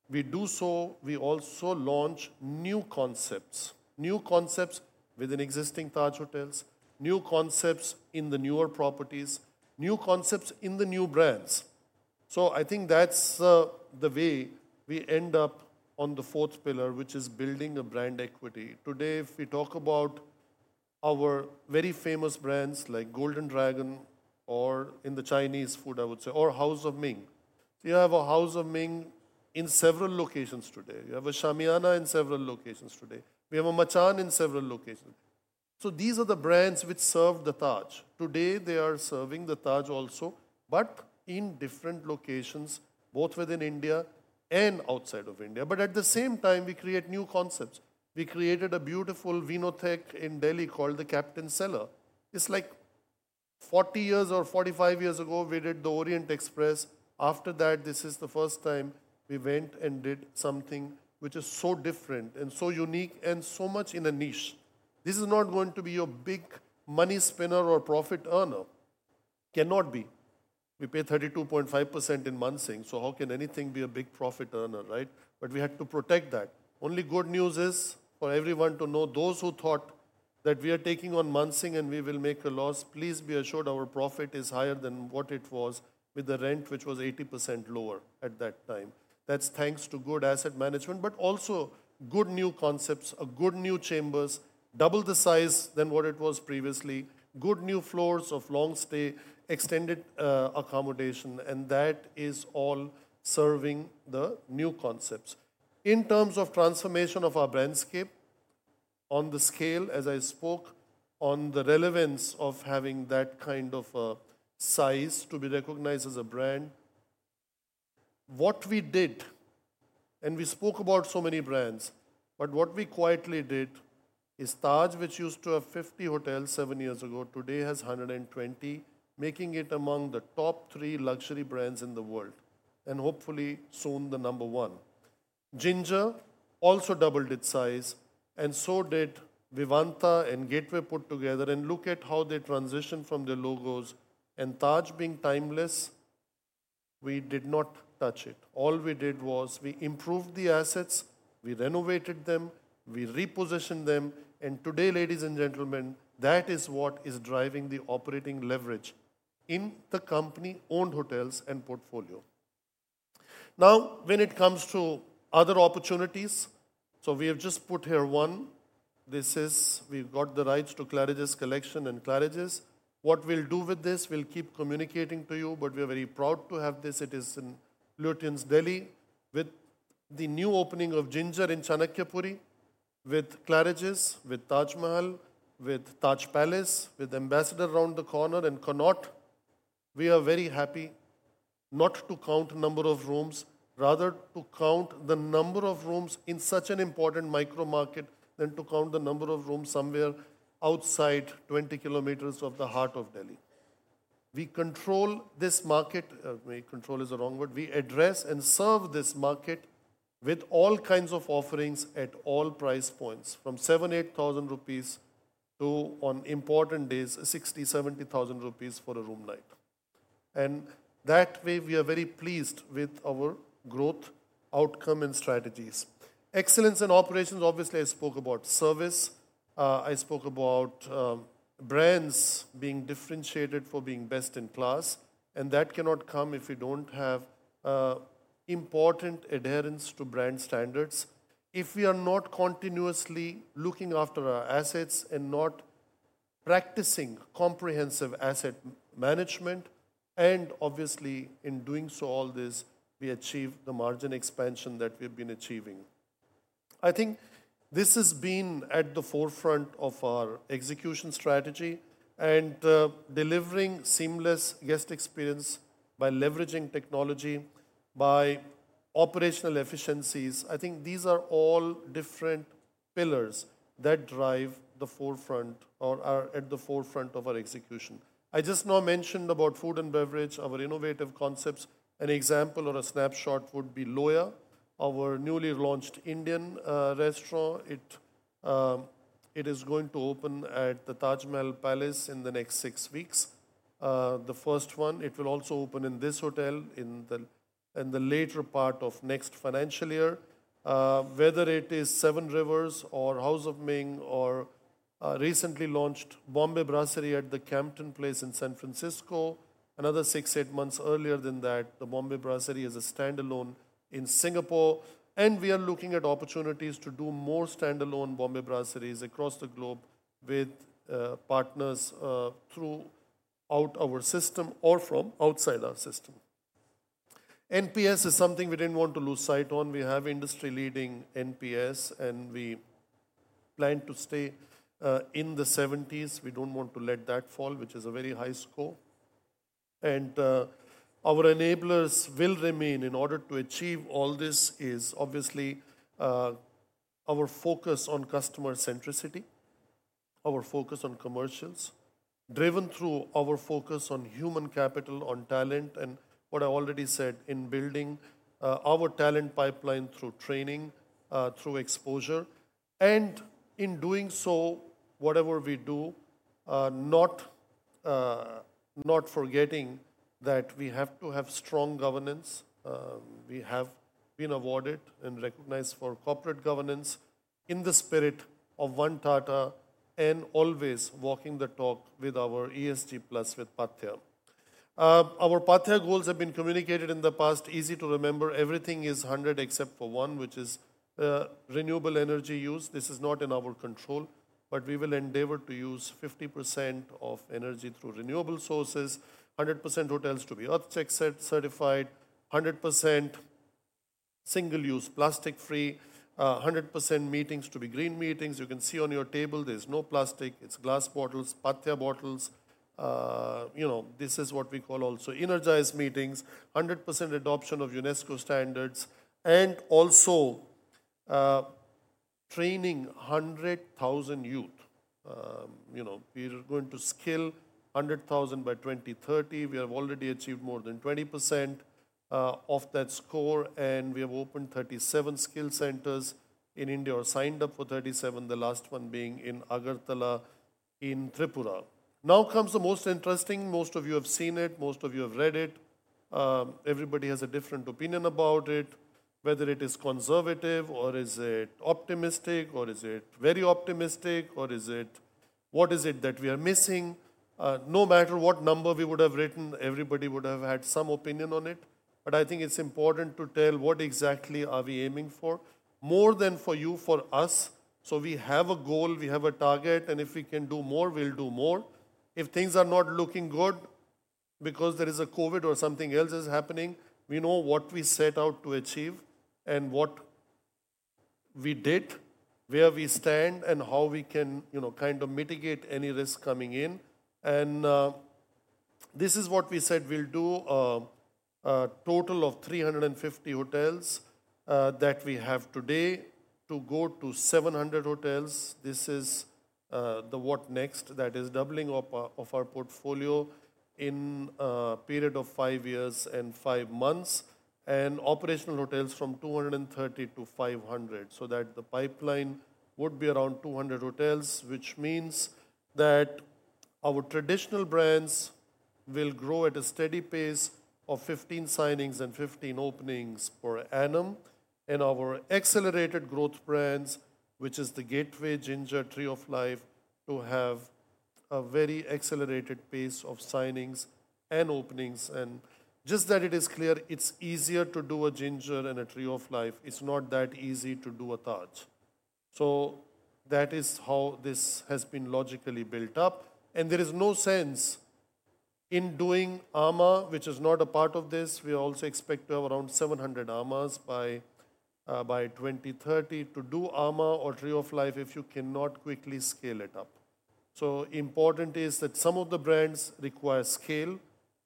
we do so, we also launch new concepts, new concepts within existing Taj hotels, new concepts in the newer properties, new concepts in the new brands. So I think that's the way we end up on the fourth pillar, which is building a brand equity. Today, if we talk about our very famous brands like Golden Dragon or in the Chinese food, I would say, or House of Ming. You have a House of Ming in several locations today. You have a Shamiana in several locations today. We have a Machan in several locations. So these are the brands which serve the Taj. Today, they are serving the Taj also, but in different locations, both within India and outside of India. But at the same time, we create new concepts. We created a beautiful Vinothek in Delhi called the Captain's Cellar. It's like 40 years or 45 years ago, we did the Orient Express. After that, this is the first time we went and did something which is so different and so unique and so much in a niche. This is not going to be your big money spinner or profit earner. Cannot be. We pay 32.5% in Mansingh, so how can anything be a big profit earner, right? But we had to protect that. Only good news is for everyone to know, those who thought that we are taking on Mansingh and we will make a loss, please be assured our profit is higher than what it was with the rent, which was 80% lower at that time. That's thanks to good asset management, but also good new concepts, good new The Chambers, double the size than what it was previously, good new floors of long-stay extended accommodation. And that is all serving the new concepts. In terms of transformation of our brandscape, on the scale, as I spoke on the relevance of having that kind of size to be recognized as a brand, what we did, and we spoke about so many brands, but what we quietly did is Taj, which used to have 50 hotels seven years ago, today has 120, making it among the top three luxury brands in the world, and hopefully soon the number one. Ginger also doubled its size, and so did Vivanta and Gateway put together. And look at how they transitioned from their logos. And Taj being timeless, we did not touch it. All we did was we improved the assets, we renovated them, we repositioned them. And today, ladies and gentlemen, that is what is driving the operating leverage in the company-owned hotels and portfolio. Now, when it comes to other opportunities, so we have just put here one. This is, we've got the rights to The Claridges Collection and The Claridges. What we'll do with this, we'll keep communicating to you, but we are very proud to have this. It is in Lutyens' Delhi with the new opening of Ginger in Chanakyapuri, with The Claridges, with Taj Mahal, with Taj Palace, with Ambassador around the corner and Connaught. We are very happy not to count number of rooms, rather to count the number of rooms in such an important micro-market than to count the number of rooms somewhere outside 20 kilometers of the heart of Delhi. We control this market. Maybe control is the wrong word. We address and serve this market with all kinds of offerings at all price points, from 7,000-8,000 rupees to, on important days, 60,000-70,000 rupees for a room night. And that way, we are very pleased with our growth outcome and strategies. Excellence in operations, obviously, I spoke about service. I spoke about brands being differentiated for being best in class. And that cannot come if we don't have important adherence to brand standards, if we are not continuously looking after our assets and not practicing comprehensive asset management. And obviously, in doing so all this, we achieve the margin expansion that we have been achieving. I think this has been at the forefront of our execution strategy and delivering seamless guest experience by leveraging technology, by operational efficiencies. I think these are all different pillars that drive the forefront or are at the forefront of our execution. I just now mentioned about food and beverage, our innovative concepts. An example or a snapshot would be Loya, our newly launched Indian restaurant. It is going to open at the Taj Mahal Palace in the next six weeks. The first one, it will also open in this hotel in the later part of next financial year. Whether it is Seven Rivers or House of Ming or recently launched Bombay Brasserie at the Campton Place in San Francisco, another six, eight months earlier than that, the Bombay Brasserie is a standalone in Singapore, and we are looking at opportunities to do more standalone Bombay Brasseries across the globe with partners throughout our system or from outside our system. NPS is something we didn't want to lose sight on. We have industry-leading NPS, and we plan to stay in the 70s. We don't want to let that fall, which is a very high score, and our enablers will remain in order to achieve all this is obviously our focus on customer centricity, our focus on commercials, driven through our focus on human capital, on talent, and what I already said in building our talent pipeline through training, through exposure, and in doing so, whatever we do, not forgetting that we have to have strong governance. We have been awarded and recognized for corporate governance in the spirit of One Tata and always walking the talk with our ESG plus with Paathya. Our Paathya goals have been communicated in the past. Easy to remember. Everything is 100 except for one, which is renewable energy use. This is not in our control, but we will endeavor to use 50% of energy through renewable sources, 100% hotels to be EarthCheck certified, 100% single-use plastic-free, 100% meetings to be green meetings. You can see on your table, there's no plastic. It's glass bottles, Paathya bottles. This is what we call also energized meetings, 100% adoption of UNESCO standards, and also training 100,000 youth. We are going to scale 100,000 by 2030. We have already achieved more than 20% of that score, and we have opened 37 skill centers in India or signed up for 37, the last one being in Agartala in Tripura. Now comes the most interesting. Most of you have seen it. Most of you have read it. Everybody has a different opinion about it, whether it is conservative or is it optimistic or is it very optimistic or is it what is it that we are missing? No matter what number we would have written, everybody would have had some opinion on it. But I think it's important to tell what exactly are we aiming for, more than for you, for us. So we have a goal. We have a target. And if we can do more, we'll do more. If things are not looking good because there is a COVID or something else is happening, we know what we set out to achieve and what we did, where we stand, and how we can kind of mitigate any risk coming in. And this is what we said we'll do: a total of 350 hotels that we have today to go to 700 hotels. This is the "what next"? That is doubling of our portfolio in a period of five years and five months and operational hotels from 230 to 500. So that the pipeline would be around 200 hotels, which means that our traditional brands will grow at a steady pace of 15 signings and 15 openings per annum. And our accelerated growth brands, which is the Gateway, Ginger, Tree of Life, to have a very accelerated pace of signings and openings. And just that it is clear, it's easier to do a Ginger and a Tree of Life. It's not that easy to do a Taj. So that is how this has been logically built up. And there is no sense in doing amã, which is not a part of this. We also expect to have around 700 amã by 2030 to do amã or Tree of Life if you cannot quickly scale it up. So important is that some of the brands require scale.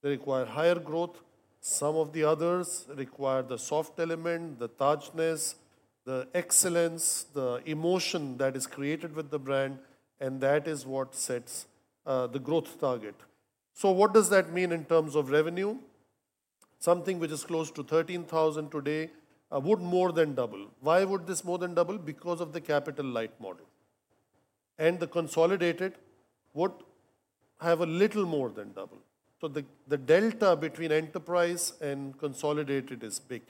They require higher growth. Some of the others require the soft element, the Tajness, the excellence, the emotion that is created with the brand. And that is what sets the growth target. So what does that mean in terms of revenue? Something which is close to 13,000 today would more than double. Why would this more than double? Because of the capital-light model. And the consolidated would have a little more than double. So the delta between enterprise and consolidated is big.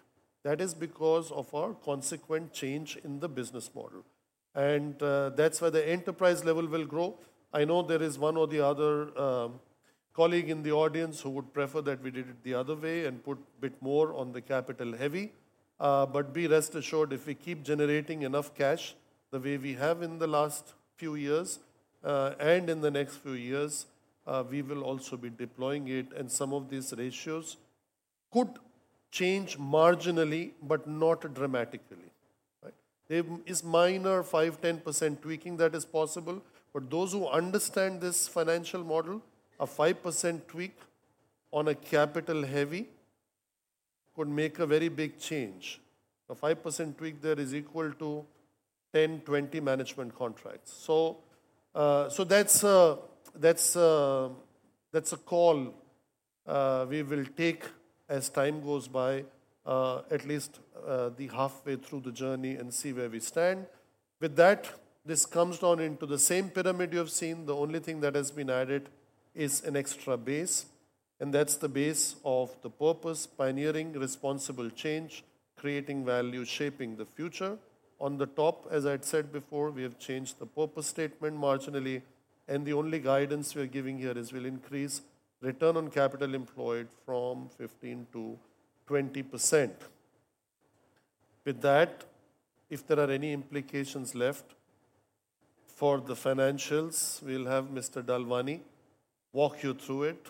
That is because of our consequent change in the business model. And that's where the enterprise level will grow. I know there is one or the other colleague in the audience who would prefer that we did it the other way and put a bit more on the capital heavy, but be rest assured, if we keep generating enough cash the way we have in the last few years and in the next few years, we will also be deploying it, and some of these ratios could change marginally, but not dramatically. There is minor 5%-10% tweaking that is possible, but those who understand this financial model, a 5% tweak on a capital heavy could make a very big change. A 5% tweak there is equal to 10-20 management contracts, so that's a call we will take as time goes by, at least the halfway through the journey and see where we stand. With that, this comes down into the same pyramid you have seen. The only thing that has been added is an extra base. And that's the base of the purpose: pioneering responsible change, creating value, shaping the future. On the top, as I had said before, we have changed the purpose statement marginally. And the only guidance we are giving here is we'll increase return on capital employed from 15%-20%. With that, if there are any implications left for the financials, we'll have Mr. Dalwani walk you through it.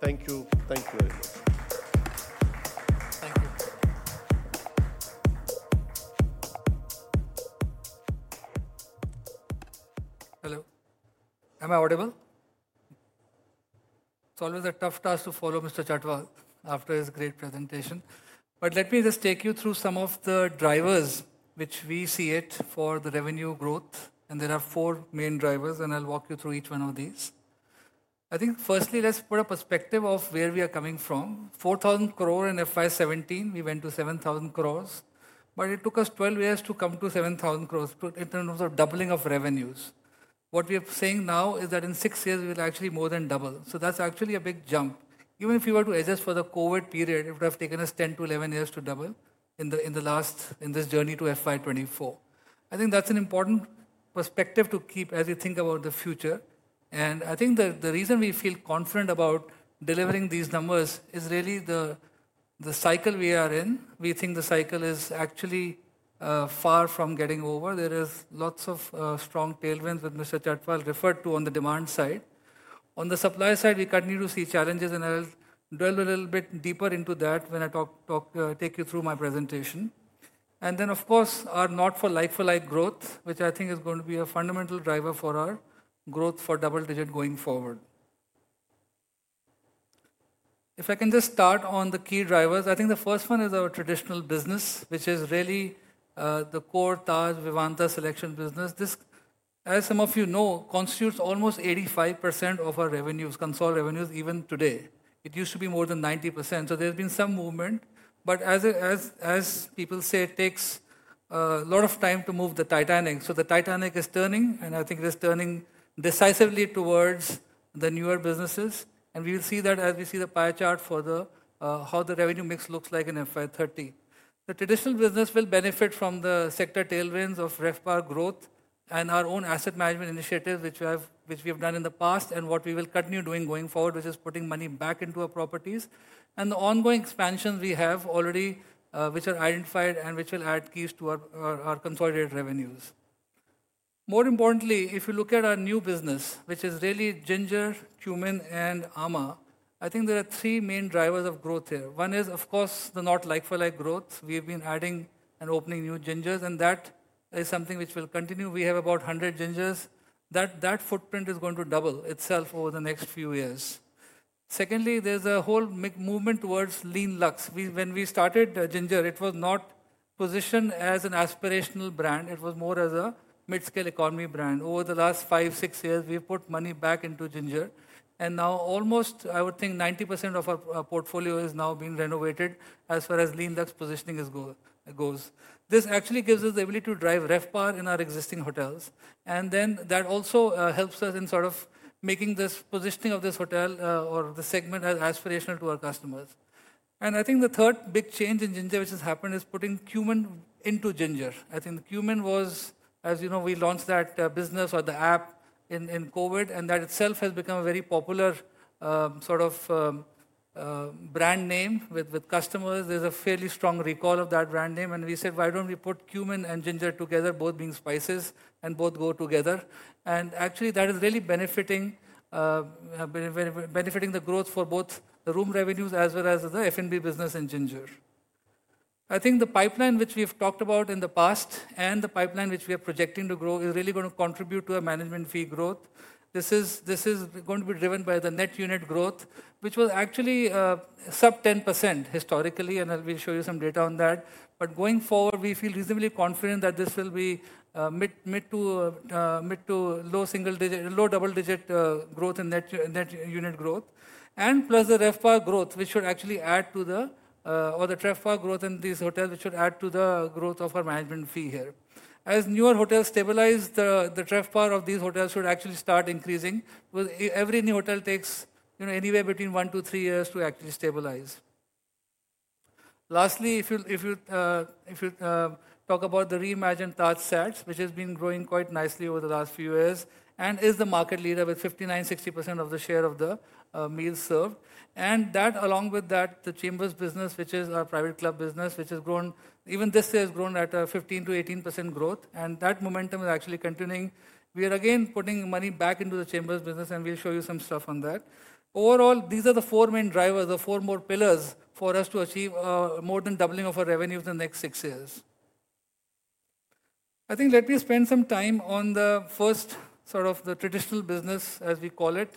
Thank you. Thank you very much. Thank you. Hello. Am I audible? It's always a tough task to follow Mr. Chhatwal after his great presentation. But let me just take you through some of the drivers which we see it for the revenue growth. And there are four main drivers, and I'll walk you through each one of these. I think firstly, let's put a perspective of where we are coming from. 4,000 crore in FY2017, we went to 7,000 crore. But it took us 12 years to come to 7,000 crore in terms of doubling of revenues. What we are saying now is that in six years, we will actually more than double. So that's actually a big jump. Even if you were to adjust for the COVID period, it would have taken us 10 to 11 years to double in this journey to FY2024. I think that's an important perspective to keep as we think about the future. And I think the reason we feel confident about delivering these numbers is really the cycle we are in. We think the cycle is actually far from getting over. There is lots of strong tailwinds that Mr. Chhatwal referred to on the demand side. On the supply side, we continue to see challenges, and I'll dwell a little bit deeper into that when I take you through my presentation. And then, of course, our non-like-for-like growth, which I think is going to be a fundamental driver for our growth for double-digit going forward. If I can just start on the key drivers, I think the first one is our traditional business, which is really the core Taj, Vivanta, SeleQtions business. This, as some of you know, constitutes almost 85% of our revenues, consolidated revenues even today. It used to be more than 90%. So there's been some movement, but as people say, it takes a lot of time to move the Titanic. So the Titanic is turning, and I think it is turning decisively towards the newer businesses. We will see that as we see the pie chart for how the revenue mix looks like in FY30. The traditional business will benefit from the sector tailwinds of RevPAR growth and our own asset management initiatives, which we have done in the past and what we will continue doing going forward, which is putting money back into our properties. The ongoing expansions we have already, which are identified and which will add keys to our consolidated revenues. More importantly, if you look at our new business, which is really Ginger, Qmin, and amã, I think there are three main drivers of growth here. One is, of course, the non-like-for-like growth. We have been adding and opening new Gingers, and that is something which will continue. We have about 100 Gingers. That footprint is going to double itself over the next few years. Secondly, there's a whole movement towards Lean Luxe. When we started Ginger, it was not positioned as an aspirational brand. It was more as a mid-scale economy brand. Over the last five, six years, we've put money back into Ginger. And now almost, I would think, 90% of our portfolio has now been renovated as far as Lean Luxe positioning goes. This actually gives us the ability to drive RevPAR in our existing hotels. And then that also helps us in sort of making this positioning of this hotel or the segment as aspirational to our customers. And I think the third big change in Ginger, which has happened, is putting Qmin into Ginger. I think the Qmin was, as you know, we launched that business or the app in COVID, and that itself has become a very popular sort of brand name with customers. There's a fairly strong recall of that brand name, and we said, why don't we put Qmin and Ginger together, both being spices and both go together? And actually, that is really benefiting the growth for both the room revenues as well as the F&B business in Ginger. I think the pipeline which we have talked about in the past and the pipeline which we are projecting to grow is really going to contribute to our management fee growth. This is going to be driven by the net unit growth, which was actually sub 10% historically, and I'll show you some data on that. Going forward, we feel reasonably confident that this will be mid- to low single-digit, low double-digit growth in net unit growth, and plus the RevPAR growth, which should actually add to the RevPAR growth in these hotels, which should add to the growth of our management fee here. As newer hotels stabilize, the RevPAR of these hotels should actually start increasing. Every new hotel takes anywhere between one to three years to actually stabilize. Lastly, if you talk about the reimagined TajSATS, which has been growing quite nicely over the last few years and is the market leader with 59%-60% of the share of the meals served. That, along with The Chambers business, which is our private club business, which has grown, even this year has grown at a 15%-18% growth. That momentum is actually continuing. We are again putting money back into The Chambers business, and we'll show you some stuff on that. Overall, these are the four main drivers, the four more pillars for us to achieve more than doubling of our revenues in the next six years. I think let me spend some time on the first sort of the traditional business, as we call it.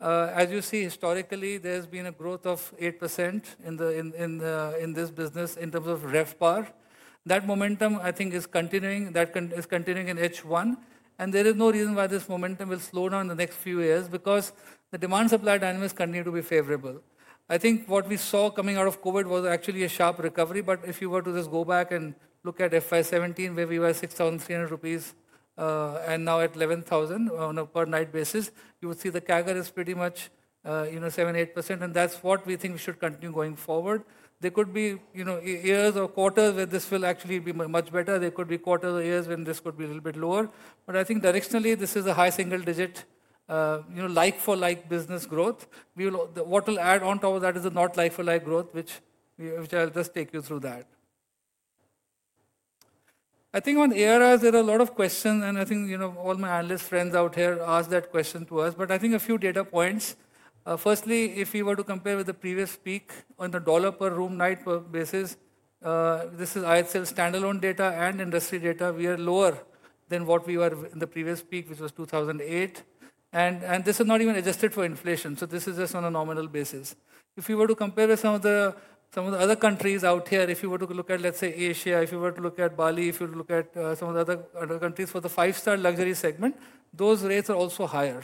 As you see, historically, there's been a growth of 8% in this business in terms of RevPAR. That momentum, I think, is continuing. That is continuing in H1. And there is no reason why this momentum will slow down in the next few years because the demand-supply dynamics continue to be favorable. I think what we saw coming out of COVID was actually a sharp recovery. If you were to just go back and look at FY17, where we were at 6,300 rupees and now at 11,000 on a per-night basis, you would see the CAGR is pretty much 7%-8%. And that's what we think we should continue going forward. There could be years or quarters where this will actually be much better. There could be quarters or years when this could be a little bit lower. But I think directionally, this is a high single-digit like-for-like business growth. What will add on top of that is the non-like-for-like growth, which I'll just take you through that. I think on ARRs, there are a lot of questions. And I think all my analyst friends out here asked that question to us. But I think a few data points. Firstly, if we were to compare with the previous peak on the $ per room night basis, this is IHCL standalone data and industry data. We are lower than what we were in the previous peak, which was 2008, and this is not even adjusted for inflation, so this is just on a nominal basis. If you were to compare with some of the other countries out here, if you were to look at, let's say, Asia, if you were to look at Bali, if you were to look at some of the other countries for the five-star luxury segment, those rates are also higher,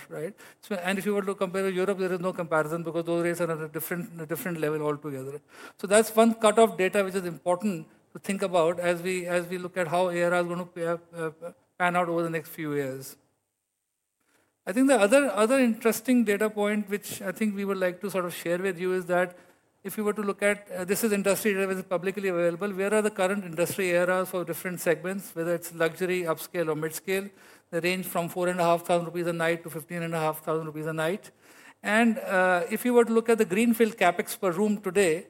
and if you were to compare with Europe, there is no comparison because those rates are at a different level altogether. That's one cut-off data which is important to think about as we look at how ARRs are going to pan out over the next few years. I think the other interesting data point, which I think we would like to sort of share with you, is that if you were to look at, this is industry data that is publicly available, where are the current industry ARRs for different segments, whether it's luxury, upscale, or mid-scale? They range from 4,500 rupees a night to 15,500 rupees a night. If you were to look at the greenfield CapEx per room today,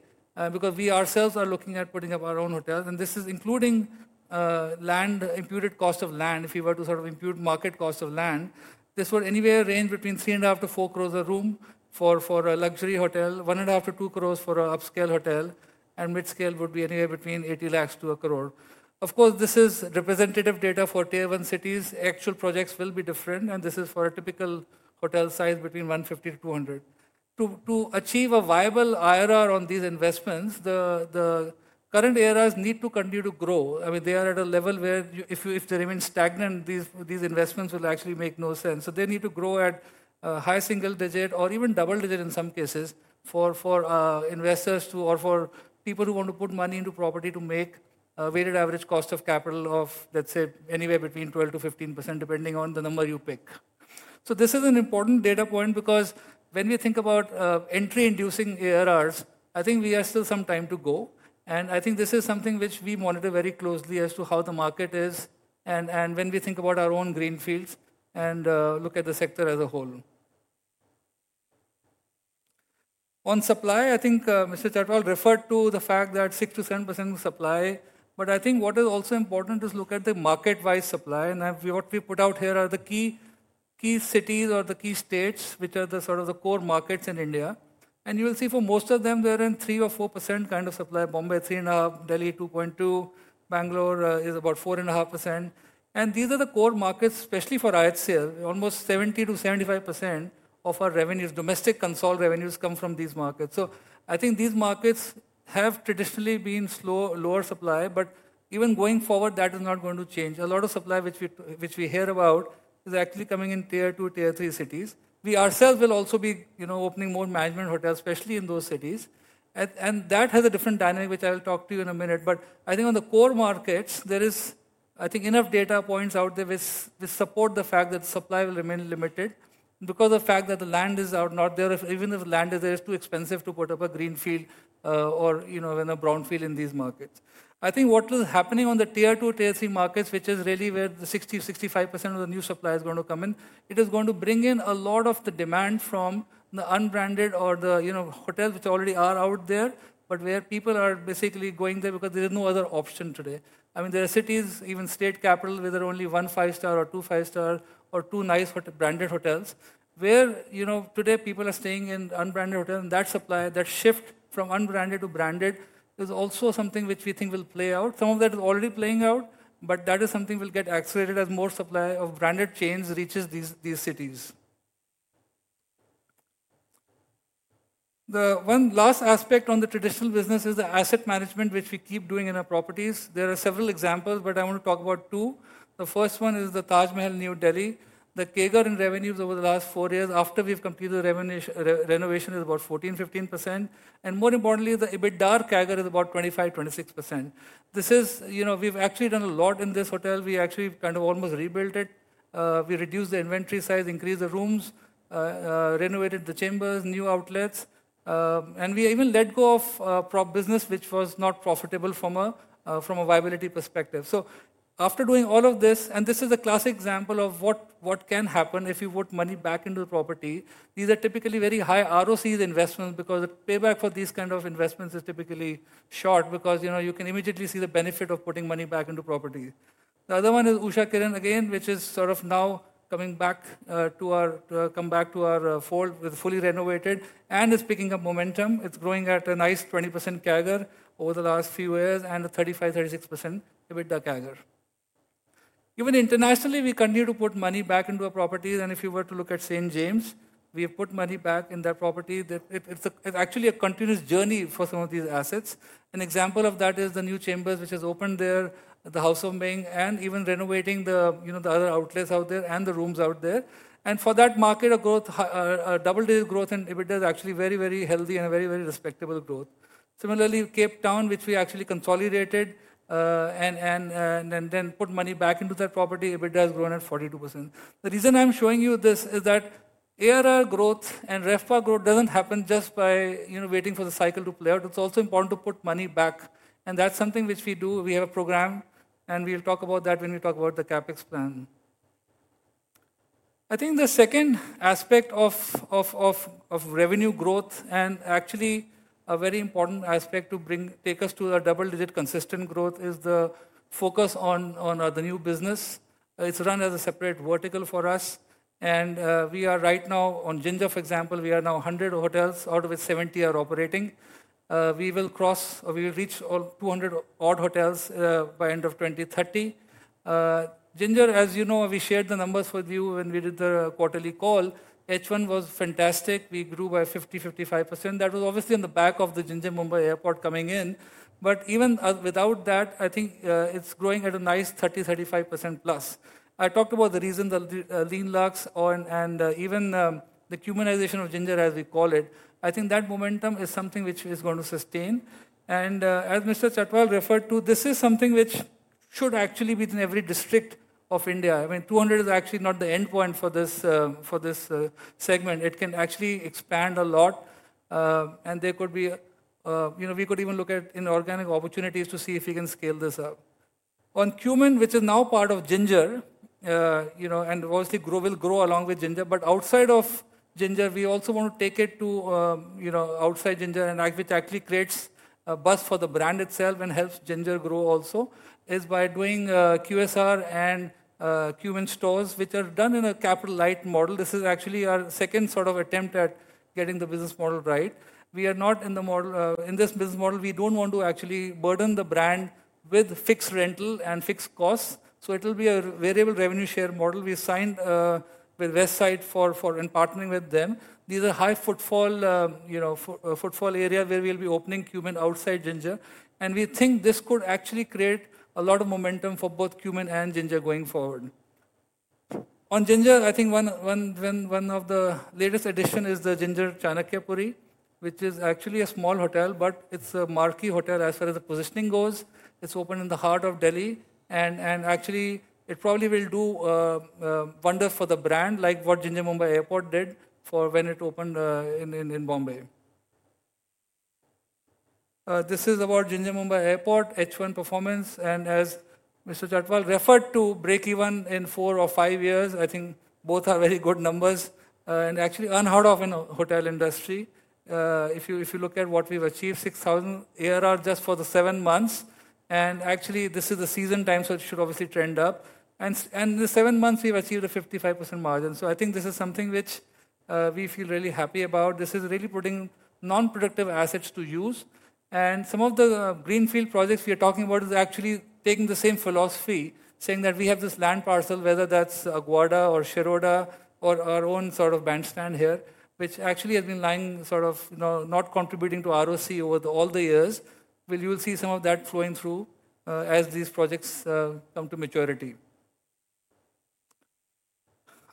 because we ourselves are looking at putting up our own hotels, and this is including land imputed cost of land. If you were to sort of impute market cost of land, this would anywhere range between 3.5-4 crore a room for a luxury hotel, 1.5 crore-2 crore for an upscale hotel, and mid-scale would be anywhere between 80 lakhs-1 crore. Of course, this is representative data for tier-one cities. Actual projects will be different. And this is for a typical hotel size between 150 to 200. To achieve a viable IRR on these investments, the current ARRs need to continue to grow. I mean, they are at a level where if they remain stagnant, these investments will actually make no sense. So they need to grow at high single-digit or even double-digit in some cases for investors or for people who want to put money into property to make a weighted average cost of capital of, let's say, anywhere between 12%-15%, depending on the number you pick. So this is an important data point because when we think about entry-inducing ARRs, I think we have still some time to go. And I think this is something which we monitor very closely as to how the market is and when we think about our own greenfields and look at the sector as a whole. On supply, I think Mr. Chhatwal referred to the fact that 6%-7% of supply. But I think what is also important is to look at the market-wide supply. What we put out here are the key cities or the key states, which are the sort of the core markets in India. You will see for most of them, they're in 3% or 4% kind of supply. Bombay 3.5%, Delhi 2.2%, Bangalore is about 4.5%. These are the core markets, especially for IHCL. Almost 70%-75% of our revenues, domestic consolidated revenues, come from these markets. These markets have traditionally been slow, lower supply. But even going forward, that is not going to change. A lot of supply which we hear about is actually coming in tier-two, tier-three cities. We ourselves will also be opening more management hotels, especially in those cities. That has a different dynamic, which I'll talk to you in a minute. But I think on the core markets, there is, I think, enough data points out there which support the fact that supply will remain limited because of the fact that the land is not there. Even if the land is there, it's too expensive to put up a greenfield or a brownfield in these markets. I think what is happening on the tier-two, tier-three markets, which is really where the 60%-65% of the new supply is going to come in, it is going to bring in a lot of the demand from the unbranded or the hotels which already are out there, but where people are basically going there because there is no other option today. I mean, there are cities, even state capital, where there are only one five-star or two five-star or two nice branded hotels, where today people are staying in unbranded hotels. That supply, that shift from unbranded to branded is also something which we think will play out. Some of that is already playing out, but that is something we'll get accelerated as more supply of branded chains reaches these cities. The one last aspect on the traditional business is the asset management, which we keep doing in our properties. There are several examples, but I want to talk about two. The first one is the Taj Mahal, New Delhi. The CAGR in revenues over the last four years after we've completed the renovation is about 14%-15%. And more importantly, the EBITDA or CAGR is about 25%-26%. This is, we've actually done a lot in this hotel. We actually kind of almost rebuilt it. We reduced the inventory size, increased the rooms, renovated The Chambers, new outlets. We even let go of a business which was not profitable from a viability perspective. After doing all of this, this is a classic example of what can happen if you put money back into the property. These are typically very high ROCE investments because the payback for these kinds of investments is typically short because you can immediately see the benefit of putting money back into property. The other one is Usha Kiran again, which is sort of now coming back to our fold fully renovated and is picking up momentum. It's growing at a nice 20% CAGR over the last few years and a 35%-36% EBITDA CAGR. Even internationally, we continue to put money back into our properties. If you were to look at St. James' Court, we have put money back in that property. It's actually a continuous journey for some of these assets. An example of that is The Chambers, which has opened there, the House of Ming, and even renovating the other outlets out there and the rooms out there. And for that market, a double-digit growth in EBITDA is actually very, very healthy and a very, very respectable growth. Similarly, Cape Town, which we actually consolidated and then put money back into that property, EBITDA has grown at 42%. The reason I'm showing you this is that ARR growth and RevPAR growth doesn't happen just by waiting for the cycle to play out. It's also important to put money back. And that's something which we do. We have a program, and we'll talk about that when we talk about the CapEx plan. I think the second aspect of revenue growth and actually a very important aspect to take us to a double-digit consistent growth is the focus on the new business. It's run as a separate vertical for us. And we are right now on Ginger, for example, we are now 100 hotels, out of which 70 are operating. We will cross, we will reach 200-odd hotels by the end of 2030. Ginger, as you know, we shared the numbers with you when we did the quarterly call. H1 was fantastic. We grew by 50%-55%. That was obviously in the back of the Ginger Mumbai Airport coming in. But even without that, I think it's growing at a nice 30%-35% plus. I talked about the reason, the lean luxe, and even the Qminisation of Ginger, as we call it. I think that momentum is something which is going to sustain, and as Mr. Chhatwal referred to, this is something which should actually be in every district of India. I mean, 200 is actually not the end point for this segment. It can actually expand a lot, and there could be, we could even look at organic opportunities to see if we can scale this up. On Qmin, which is now part of Ginger, and obviously will grow along with Ginger, but outside of Ginger, we also want to take it outside Ginger, which actually creates a buzz for the brand itself and helps Ginger grow also, is by doing QSR and Qmin stores, which are done in a capital-light model. This is actually our second sort of attempt at getting the business model right. We are not in the model, in this business model, we don't want to actually burden the brand with fixed rental and fixed costs. So it will be a variable revenue share model. We signed with Westside in partnering with them. These are high footfall areas where we'll be opening Qmin outside Ginger. And we think this could actually create a lot of momentum for both Qmin and Ginger going forward. On Ginger, I think one of the latest additions is the Ginger Chanakyapuri, which is actually a small hotel, but it's a marquee hotel as far as the positioning goes. It's open in the heart of Delhi. And actually, it probably will do wonders for the brand, like what Ginger Mumbai Airport did when it opened in Bombay. This is about Ginger Mumbai Airport, H1 performance. And as Mr. Chhatwal referred to break even in four or five years. I think both are very good numbers and actually unheard of in the hotel industry. If you look at what we've achieved, 6,000 ARR just for the seven months. And actually, this is the season time, so it should obviously trend up. And in the seven months, we've achieved a 55% margin. So I think this is something which we feel really happy about. This is really putting non-productive assets to use. And some of the greenfield projects we are talking about is actually taking the same philosophy, saying that we have this land parcel, whether that's Aguada or Shiroda or our own sort of Bandra Bandstand here, which actually has been lying sort of not contributing to ROCE over all the years. You will see some of that flowing through as these projects come to maturity.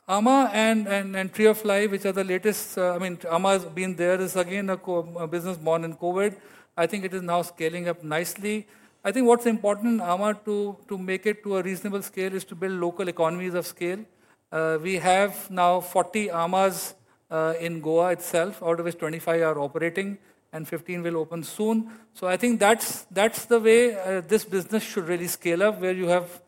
Trails and Tree of Life, which are the latest, I mean, amã Stays & Trails has been there, is again a business born in COVID. I think it is now scaling up nicely. I think what's important in amã Stays & Trails to make it to a reasonable scale is to build local economies of scale. We have now 40 amã Stays & Trails in Goa itself, out of which 25 are operating and 15 will open soon. So I think that's the way this business should really scale up, where you have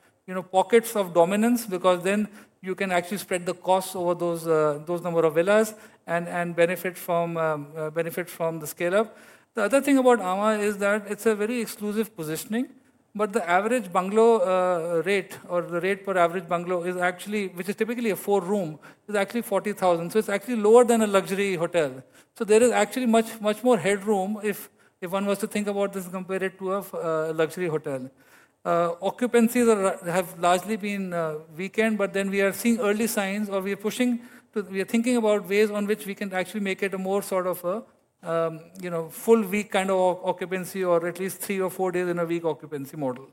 pockets of dominance because then you can actually spread the costs over those number of villas and benefit from the scale-up. The other thing about amã Stays & Trails is that it's a very exclusive positioning. But the average bungalow rate or the rate per average bungalow, which is typically a four-room, is actually 40,000. So it's actually lower than a luxury hotel. So there is actually much more headroom if one was to think about this and compare it to a luxury hotel. Occupancies have largely been weakened, but then we are seeing early signs or we are pushing, we are thinking about ways on which we can actually make it a more sort of a full-week kind of occupancy or at least three or four days in a week occupancy model.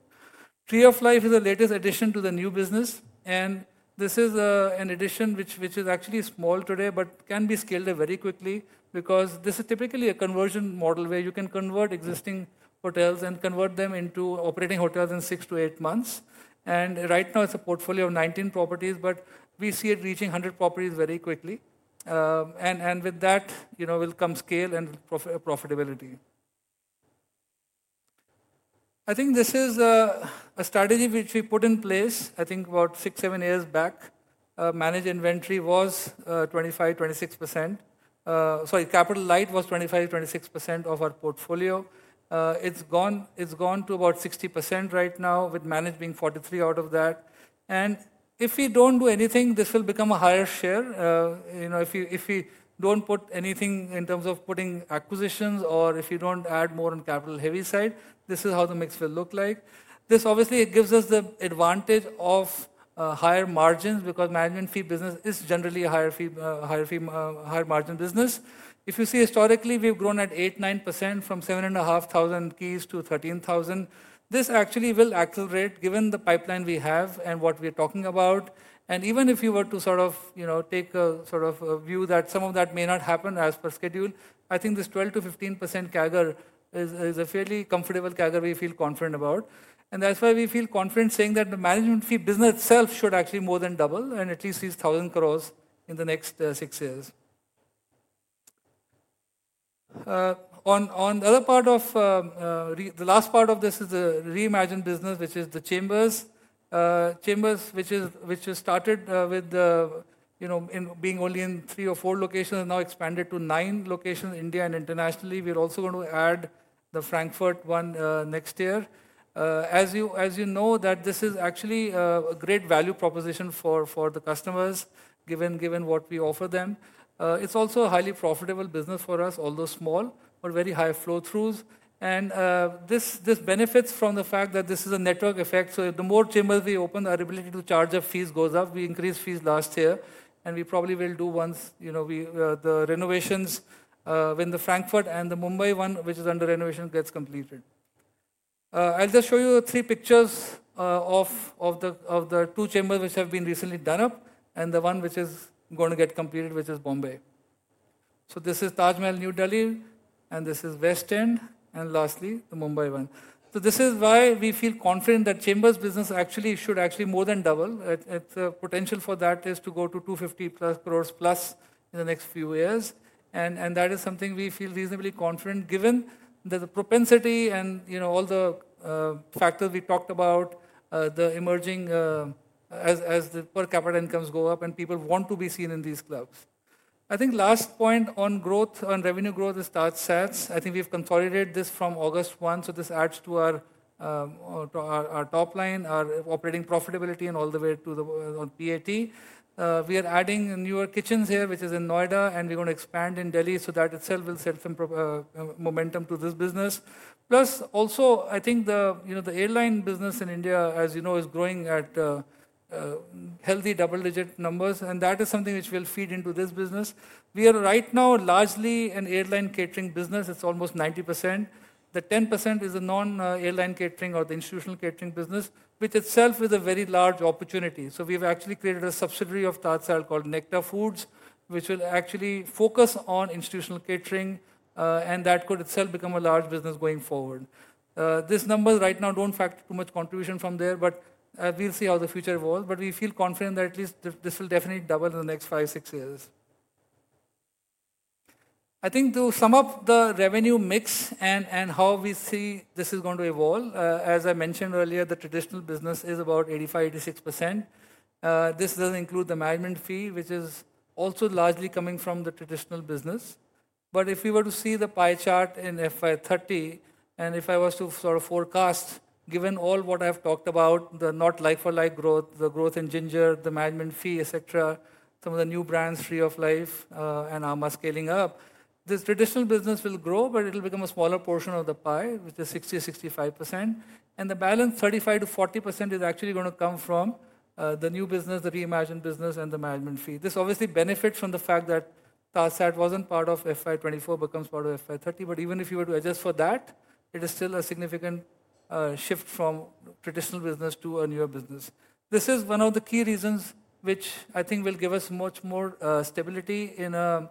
Tree of Life is the latest addition to the new business. And this is an addition which is actually small today, but can be scaled up very quickly because this is typically a conversion model where you can convert existing hotels and convert them into operating hotels in six to eight months. And right now, it's a portfolio of 19 properties, but we see it reaching 100 properties very quickly. And with that will come scale and profitability. I think this is a strategy which we put in place, I think, about six, seven years back. Managed inventory was 25%-26%. Sorry, capital light was 25%-26% of our portfolio. It's gone to about 60% right now, with managed being 43% out of that. And if we don't do anything, this will become a higher share. If we don't put anything in terms of putting acquisitions or if you don't add more on capital-heavy side, this is how the mix will look like. This obviously gives us the advantage of higher margins because management fee business is generally a higher margin business. If you see historically, we've grown at 8%-9% from 7,500 keys to 13,000. This actually will accelerate given the pipeline we have and what we're talking about. And even if you were to sort of take a sort of view that some of that may not happen as per schedule, I think this 12%-15% CAGR is a fairly comfortable CAGR we feel confident about. And that's why we feel confident saying that the management fee business itself should actually more than double and at least reach 1,000 crore in the next six years. On the other part of the last part of this is the reimagined business, which is The Chambers, which started with being only in three or four locations and now expanded to nine locations in India and internationally. We're also going to add the Frankfurt one next year. As you know, this is actually a great value proposition for the customers given what we offer them. It's also a highly profitable business for us, although small, but very high flow-throughs. This benefits from the fact that this is a network effect. So the more The Chambers we open, our ability to charge up fees goes up. We increased fees last year. We probably will do once the renovations when the Frankfurt and the Mumbai one, which is under renovation, gets completed. I'll just show you three pictures of the two The Chambers which have been recently done up and the one which is going to get completed, which is Bombay. So this is Taj Mahal New Delhi, and this is Taj West End, and lastly, the Mumbai one. So this is why we feel confident that The Chambers business actually should more than double. The potential for that is to go to 250+ crore in the next few years. That is something we feel reasonably confident given the propensity and all the factors we talked about, the emerging as the per capita incomes go up and people want to be seen in these clubs. I think last point on growth, on revenue growth is TajSATS. I think we've consolidated this from August 1. So this adds to our top line, our operating profitability, and all the way to the PAT. We are adding newer kitchens here, which is in Noida, and we're going to expand in Delhi so that itself will set up momentum to this business. Plus, also, I think the airline business in India, as you know, is growing at healthy double-digit numbers. And that is something which will feed into this business. We are right now largely an airline catering business. It's almost 90%. The 10% is a non-airline catering or the institutional catering business, which itself is a very large opportunity. So we've actually created a subsidiary of TajSATS called Nectar Foods, which will actually focus on institutional catering. And that could itself become a large business going forward. These numbers right now don't factor too much contribution from there, but we'll see how the future evolves. But we feel confident that at least this will definitely double in the next five, six years. I think to sum up the revenue mix and how we see this is going to evolve, as I mentioned earlier, the traditional business is about 85%-86%. This doesn't include the management fee, which is also largely coming from the traditional business. But if we were to see the pie chart in FY30, and if I was to sort of forecast, given all what I've talked about, the not like-for-like growth, the growth in Ginger, the management fee, etc., some of the new brands, Tree of Life, and amã scaling up, this traditional business will grow, but it'll become a smaller portion of the pie, which is 60%-65%. And the balance, 35%-40%, is actually going to come from the new business, the reimagined business, and the management fee. This obviously benefits from the fact that TajSATS wasn't part of FY24, becomes part of FY30. But even if you were to adjust for that, it is still a significant shift from traditional business to a newer business. This is one of the key reasons which I think will give us much more stability in a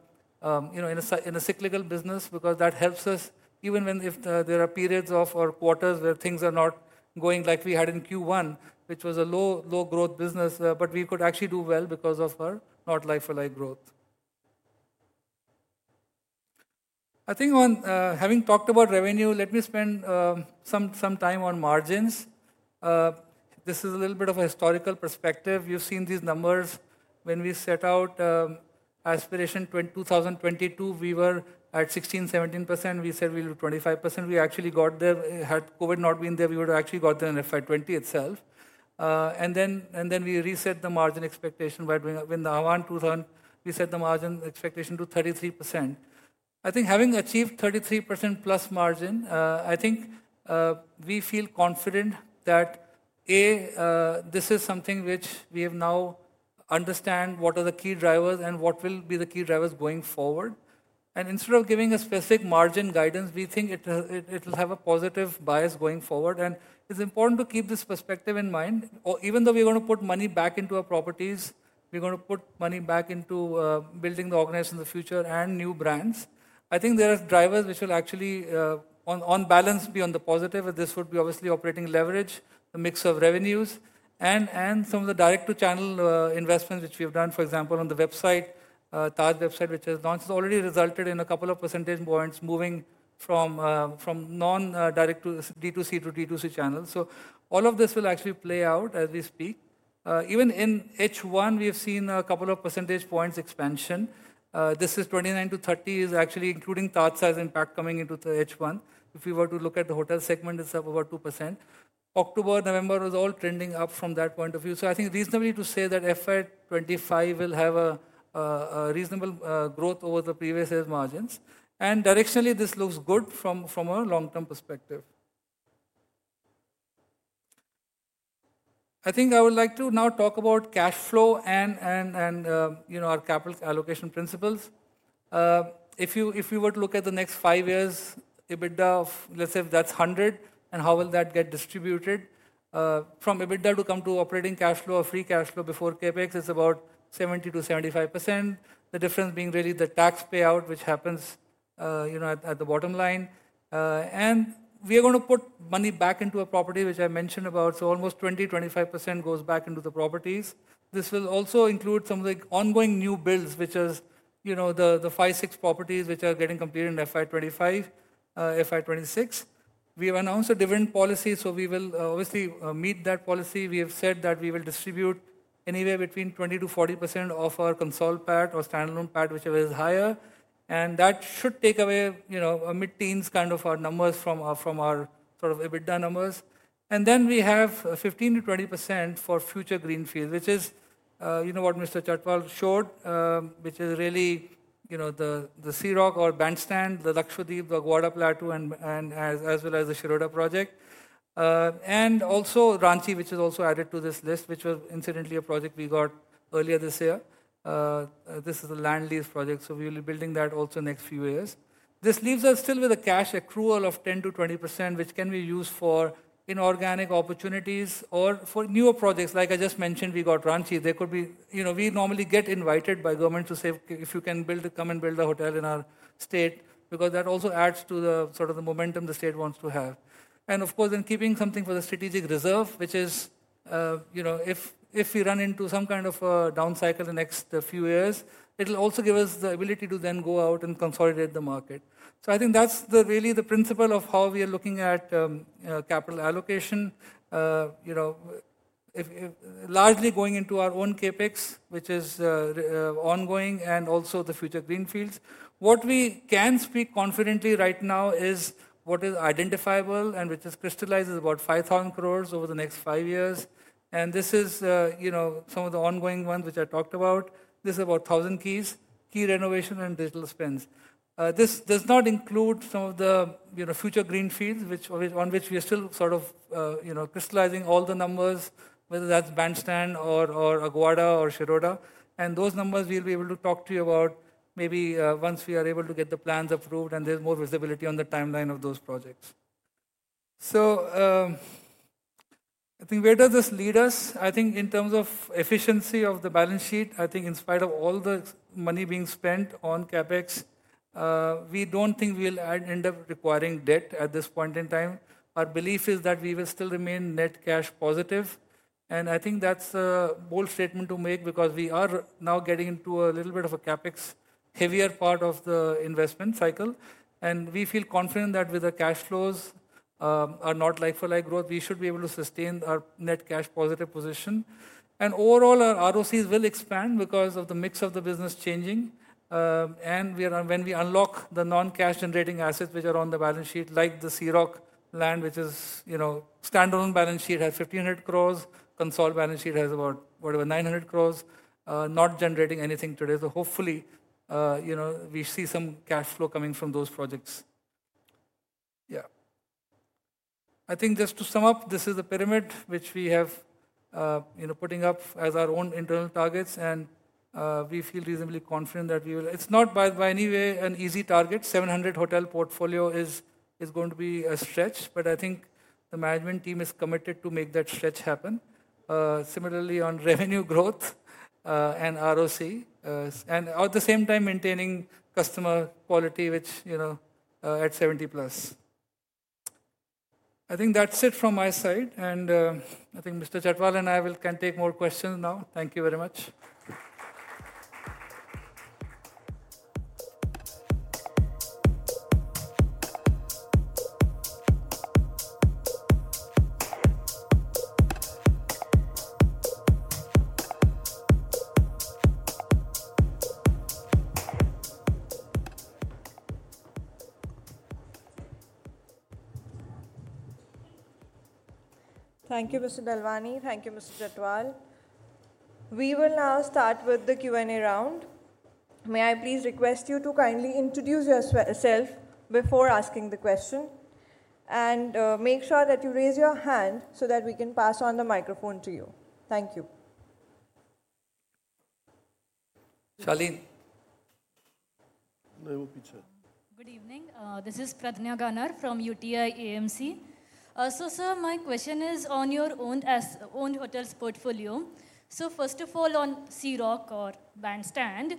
cyclical business because that helps us even when there are periods of our quarters where things are not going like we had in Q1, which was a low-growth business, but we could actually do well because of non like-for-like growth. I think having talked about revenue, let me spend some time on margins. This is a little bit of a historical perspective. You've seen these numbers. When we set out Aspiration 2022, we were at 16%-17%. We said we'll do 25%. We actually got there. Had COVID not been there, we would have actually got there in FY20 itself. And then we reset the margin expectation by doing Ahvaan 2025, we set the margin expectation to 33%. I think having achieved 33% plus margin, I think we feel confident that, A, this is something which we have now understood what are the key drivers and what will be the key drivers going forward. Instead of giving a specific margin guidance, we think it will have a positive bias going forward. It's important to keep this perspective in mind. Even though we're going to put money back into our properties, we're going to put money back into building the organization in the future and new brands. I think there are drivers which will actually, on balance, be on the positive, and this would be obviously operating leverage, the mix of revenues, and some of the direct-to-channel investments which we have done, for example, on the website, Taj website, which has launched, has already resulted in a couple of percentage points moving from non-direct-to-D2C to D2C channels. So all of this will actually play out as we speak. Even in H1, we have seen a couple of percentage points expansion. This is 29%-30%, is actually including TajSATS's impact coming into the H1. If we were to look at the hotel segment itself, about 2%. October, November was all trending up from that point of view. So I think reasonably to say that FY25 will have a reasonable growth over the previous year's margins. And directionally, this looks good from a long-term perspective. I think I would like to now talk about cash flow and our capital allocation principles. If we were to look at the next five years, EBITDA, let's say that's 100, and how will that get distributed? From EBITDA to come to operating cash flow or free cash flow before CapEx, it's about 70%-75%, the difference being really the tax payout, which happens at the bottom line. And we are going to put money back into a property, which I mentioned about. So almost 20%-25% goes back into the properties. This will also include some of the ongoing new builds, which is the five, six properties which are getting completed in FY25, FY26. We have announced a dividend policy, so we will obviously meet that policy. We have said that we will distribute anywhere between 20%-40% of our consolidated PAT or standalone PAT, whichever is higher. And that should take away a mid-teens kind of our numbers from our sort of EBITDA numbers. And then we have 15%-20% for future greenfield, which is what Mr. Chhatwal showed, which is really the Sea Rock or Bandra Bandstand, the Lakshadweep, the Aguada plateau, and as well as the Shiroda project. Ranchi, which is also added to this list, was incidentally a project we got earlier this year. This is a land lease project, so we will be building that also next few years. This leaves us still with a cash accrual of 10%-20%, which can be used for inorganic opportunities or for newer projects. Like I just mentioned, we got Ranchi. We normally get invited by government to say, "If you can come and build a hotel in our state," because that also adds to the sort of the momentum the state wants to have. Of course, then keeping something for the strategic reserve, which is if we run into some kind of a down cycle in the next few years, it'll also give us the ability to then go out and consolidate the market. So I think that's really the principle of how we are looking at capital allocation, largely going into our own CapEx, which is ongoing, and also the future greenfields. What we can speak confidently right now is what is identifiable and which is crystallized is about 5,000 crore over the next five years. And this is some of the ongoing ones which I talked about. This is about 1,000 keys, key renovation, and digital spends. This does not include some of the future greenfields on which we are still sort of crystallizing all the numbers, whether that's Bandra Bandstand or Aguada or Shiroda. And those numbers, we'll be able to talk to you about maybe once we are able to get the plans approved and there's more visibility on the timeline of those projects. So I think where does this lead us? I think in terms of efficiency of the balance sheet, I think in spite of all the money being spent on CapEx, we don't think we'll end up requiring debt at this point in time. Our belief is that we will still remain net cash positive. And I think that's a bold statement to make because we are now getting into a little bit of a CapEx heavier part of the investment cycle. And we feel confident that with the cash flows are not like-for-like growth, we should be able to sustain our net cash positive position. And overall, our ROCEs will expand because of the mix of the business changing. And when we unlock the non-cash generating assets which are on the balance sheet, like the Sea Rock land, which is standalone balance sheet has 1,500 crore, consolidated balance sheet has about, whatever, 900 crore, not generating anything today. So hopefully, we see some cash flow coming from those projects. Yeah. I think just to sum up, this is the pyramid which we have putting up as our own internal targets. And we feel reasonably confident that we will. It's not by any way an easy target. 700 hotel portfolio is going to be a stretch. But I think the management team is committed to make that stretch happen. Similarly, on revenue growth and ROC, and at the same time, maintaining customer quality, which at 70 plus. I think that's it from my side. And I think Mr. Chhatwal and I can take more questions now. Thank you very much. Thank you, Mr. Dalwani. Thank you, Mr. Chhatwal. We will now start with the Q&A round. May I please request you to kindly introduce yourself before asking the question and make sure that you raise your hand so that we can pass on the microphone to you. Thank you. Shaleen. Good evening. This is Pradnya Ganar from UTI AMC. Sir, my question is on your own hotels portfolio. First of all, on Sea Rock or Bandra Bandstand,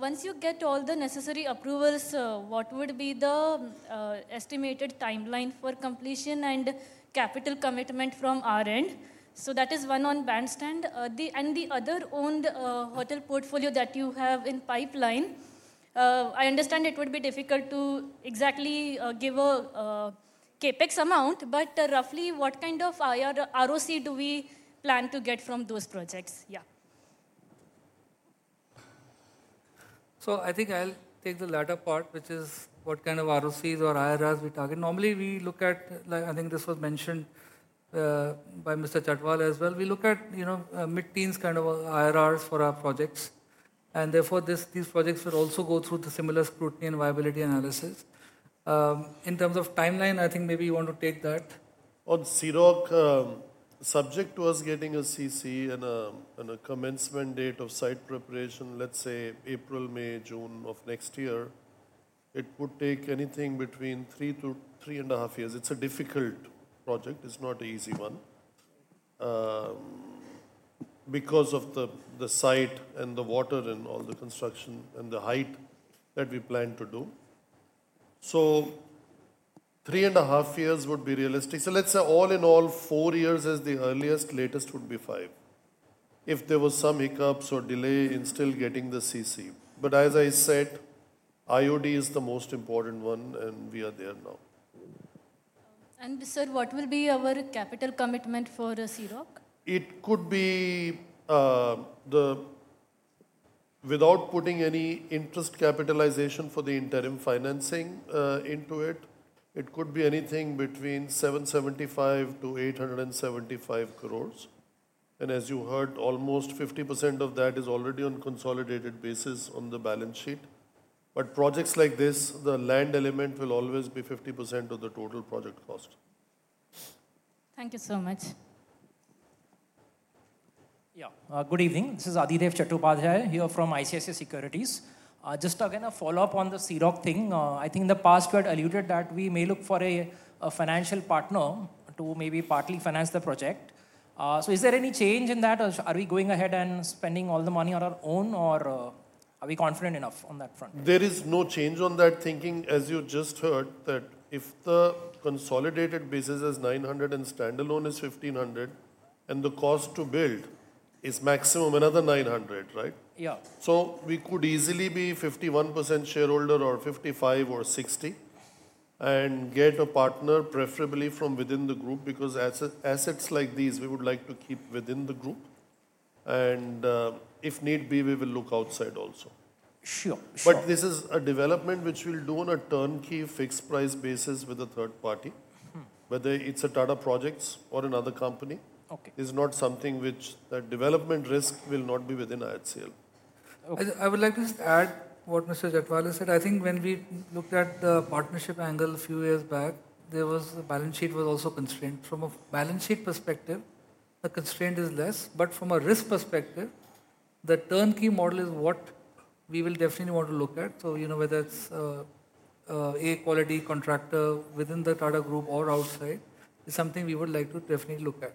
once you get all the necessary approvals, what would be the estimated timeline for completion and capital commitment from our end? That is one on Bandra Bandstand. And the other owned hotel portfolio that you have in pipeline, I understand it would be difficult to exactly give a CapEx amount, but roughly what kind of ROCE do we plan to get from those projects? Yeah. So I think I'll take the latter part, which is what kind of ROCEs or IRRs we target. Normally, we look at, I think this was mentioned by Mr. Chhatwal as well, we look at mid-teens kind of IRRs for our projects. And therefore, these projects would also go through the similar scrutiny and viability analysis. In terms of timeline, I think maybe you want to take that. On Sea Rock, subject to us getting a CC and a commencement date of site preparation, let's say April, May, June of next year, it would take anything between three to three and a half years. It's a difficult project. It's not an easy one because of the site and the water and all the construction and the height that we plan to do. So three and a half years would be realistic. So let's say all in all, four years is the earliest. Latest would be five if there were some hiccups or delay in still getting the CC. But as I said, IOD is the most important one, and we are there now. Sir, what will be our capital commitment for Sea Rock? It could be without putting any interest capitalization for the interim financing into it. It could be anything between 775 crore-875 crore. And as you heard, almost 50% of that is already on consolidated basis on the balance sheet. But projects like this, the land element will always be 50% of the total project cost. Thank you so much. Yeah. Good evening. This is Adhidev Chattopadhyay here from ICICI Securities. Just again, a follow-up on the Sea Rock thing. I think in the past, we had alluded that we may look for a financial partner to maybe partly finance the project. So is there any change in that? Are we going ahead and spending all the money on our own, or are we confident enough on that front? There is no change on that thinking. As you just heard, that if the consolidated basis is 900 and standalone is 1,500, and the cost to build is maximum another 900, right? Yeah. We could easily be 51% shareholder or 55% or 60% and get a partner, preferably from within the group, because assets like these, we would like to keep within the group. If need be, we will look outside also. Sure. But this is a development which we'll do on a turnkey fixed price basis with a third party, whether it's a Tata Projects or another company. It's not something which the development risk will not be within IHCL. I would like to just add what Mr. Chhatwal has said. I think when we looked at the partnership angle a few years back, the balance sheet was also constrained. From a balance sheet perspective, the constraint is less. But from a risk perspective, the turnkey model is what we will definitely want to look at. So whether it's a quality contractor within the Tata Group or outside, it's something we would like to definitely look at.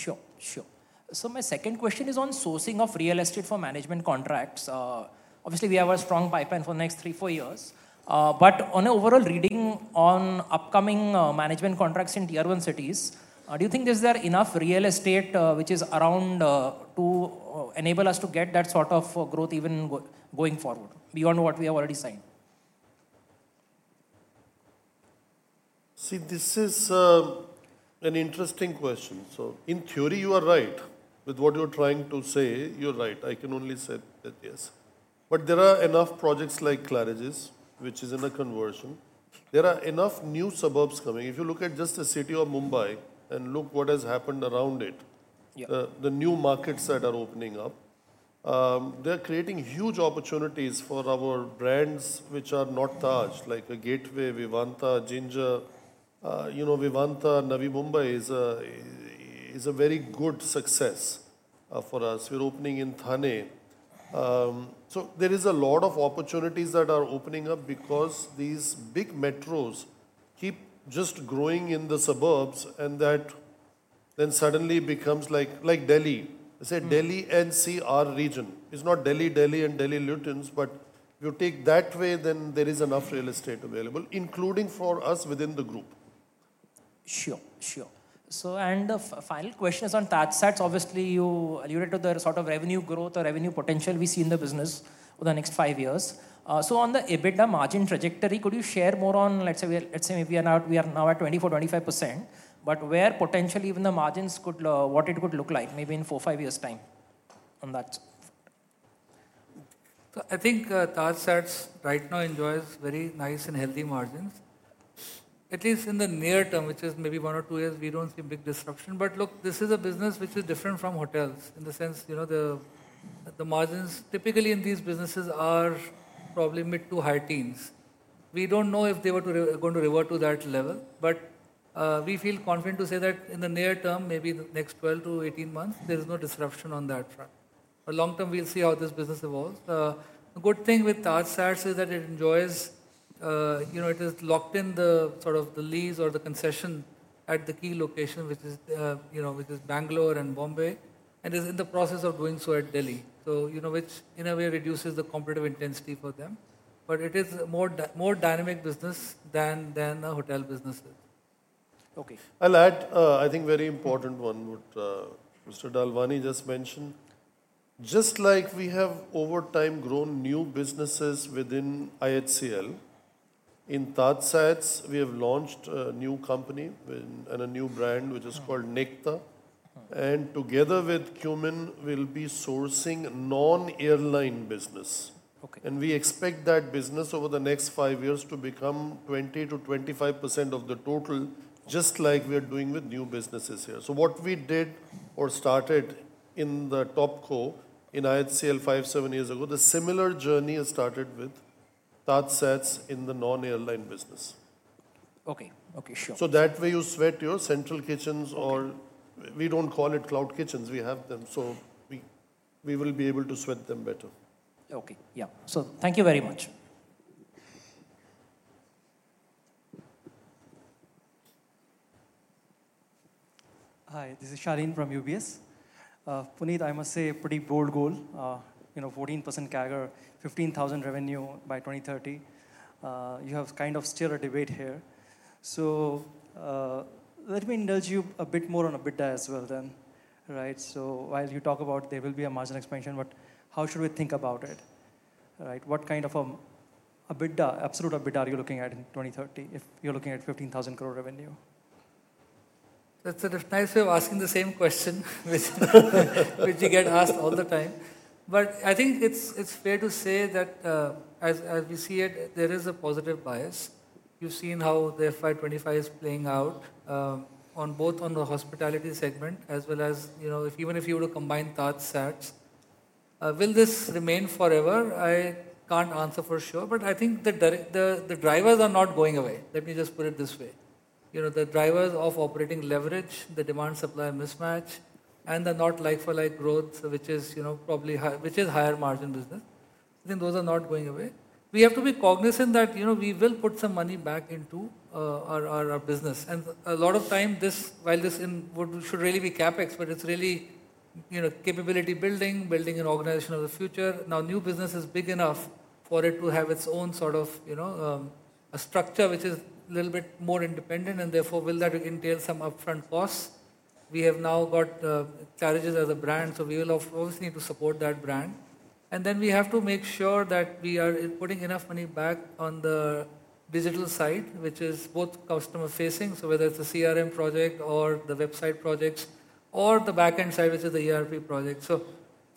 Sure. Sure. So my second question is on sourcing of real estate for management contracts. Obviously, we have a strong pipeline for the next three, four years. But on an overall reading on upcoming management contracts in tier one cities, do you think there's enough real estate which is around to enable us to get that sort of growth even going forward beyond what we have already signed? See, this is an interesting question. So in theory, you are right with what you're trying to say. You're right. I can only say that yes. But there are enough projects like The Claridges, which is in a conversion. There are enough new suburbs coming. If you look at just the city of Mumbai and look what has happened around it, the new markets that are opening up, they're creating huge opportunities for our brands which are not Taj, like a Gateway, Vivanta, Ginger. Vivanta, Navi Mumbai is a very good success for us. We're opening in Thane. So there is a lot of opportunities that are opening up because these big metros keep just growing in the suburbs. And that then suddenly becomes like Delhi. I say Delhi and NCR region. It's not Delhi, Delhi, and Delhi Lutyens. But if you take that way, then there is enough real estate available, including for us within the group. Sure. Sure. And the final question is on Taj. Obviously, you alluded to the sort of revenue growth or revenue potential we see in the business over the next five years. So on the EBITDA margin trajectory, could you share more on, let's say, maybe we are now at 24%, 25%, but where potentially even the margins, what it could look like maybe in four, five years' time on that? I think Taj right now enjoys very nice and healthy margins. At least in the near term, which is maybe one or two years, we don't see big disruption. But look, this is a business which is different from hotels in the sense the margins typically in these businesses are probably mid to high teens. We don't know if they were going to revert to that level. But we feel confident to say that in the near term, maybe the next 12 to 18 months, there is no disruption on that front. But long term, we'll see how this business evolves. The good thing with Taj is that it enjoys it is locked in the sort of the lease or the concession at the key location, which is Bangalore and Bombay, and is in the process of doing so at Delhi, which in a way reduces the competitive intensity for them. But it is a more dynamic business than a hotel business is. Okay. I'll add, I think, a very important one what Mr. Dalwani just mentioned. Just like we have over time grown new businesses within IHCL, in Taj, we have launched a new company and a new brand, which is called Nectar. And together with Qmin, we'll be sourcing non-airline business. And we expect that business over the next five years to become 20%-25% of the total, just like we are doing with new businesses here. So what we did or started in the Topco in IHCL five, seven years ago, the similar journey has started with Taj in the non-airline business. Okay. Okay. Sure. So that way, you sweat your central kitchens or we don't call it cloud kitchens. We have them. So we will be able to sweat them better. Okay. Yeah. So thank you very much. Hi. This is Shaleen from UBS. Puneet, I must say, pretty bold goal, 14% CAGR, 15,000 revenue by 2030. You have kind of stirred a debate here. So let me indulge you a bit more on EBITDA as well then. Right? So while you talk about there will be a margin expansion, but how should we think about it? Right? What kind of an EBITDA, absolute EBITDA are you looking at in 2030 if you're looking at 15,000 crore revenue? That's a nice way of asking the same question, which you get asked all the time. But I think it's fair to say that as we see it, there is a positive bias. You've seen how the FY25 is playing out both on the hospitality segment as well as even if you were to combine Taj. Will this remain forever? I can't answer for sure. But I think the drivers are not going away. Let me just put it this way. The drivers of operating leverage, the demand-supply mismatch, and the not like-for-like growth, which is probably higher margin business, I think those are not going away. We have to be cognizant that we will put some money back into our business. And a lot of time, while this should really be CapEx, but it's really capability building, building an organization of the future. Now, new business is big enough for it to have its own sort of a structure which is a little bit more independent, and therefore, will that entail some upfront costs? We have now got The Claridges as a brand. So we will obviously need to support that brand. And then we have to make sure that we are putting enough money back on the digital side, which is both customer-facing. So whether it's a CRM project or the website projects or the backend side, which is the ERP project. So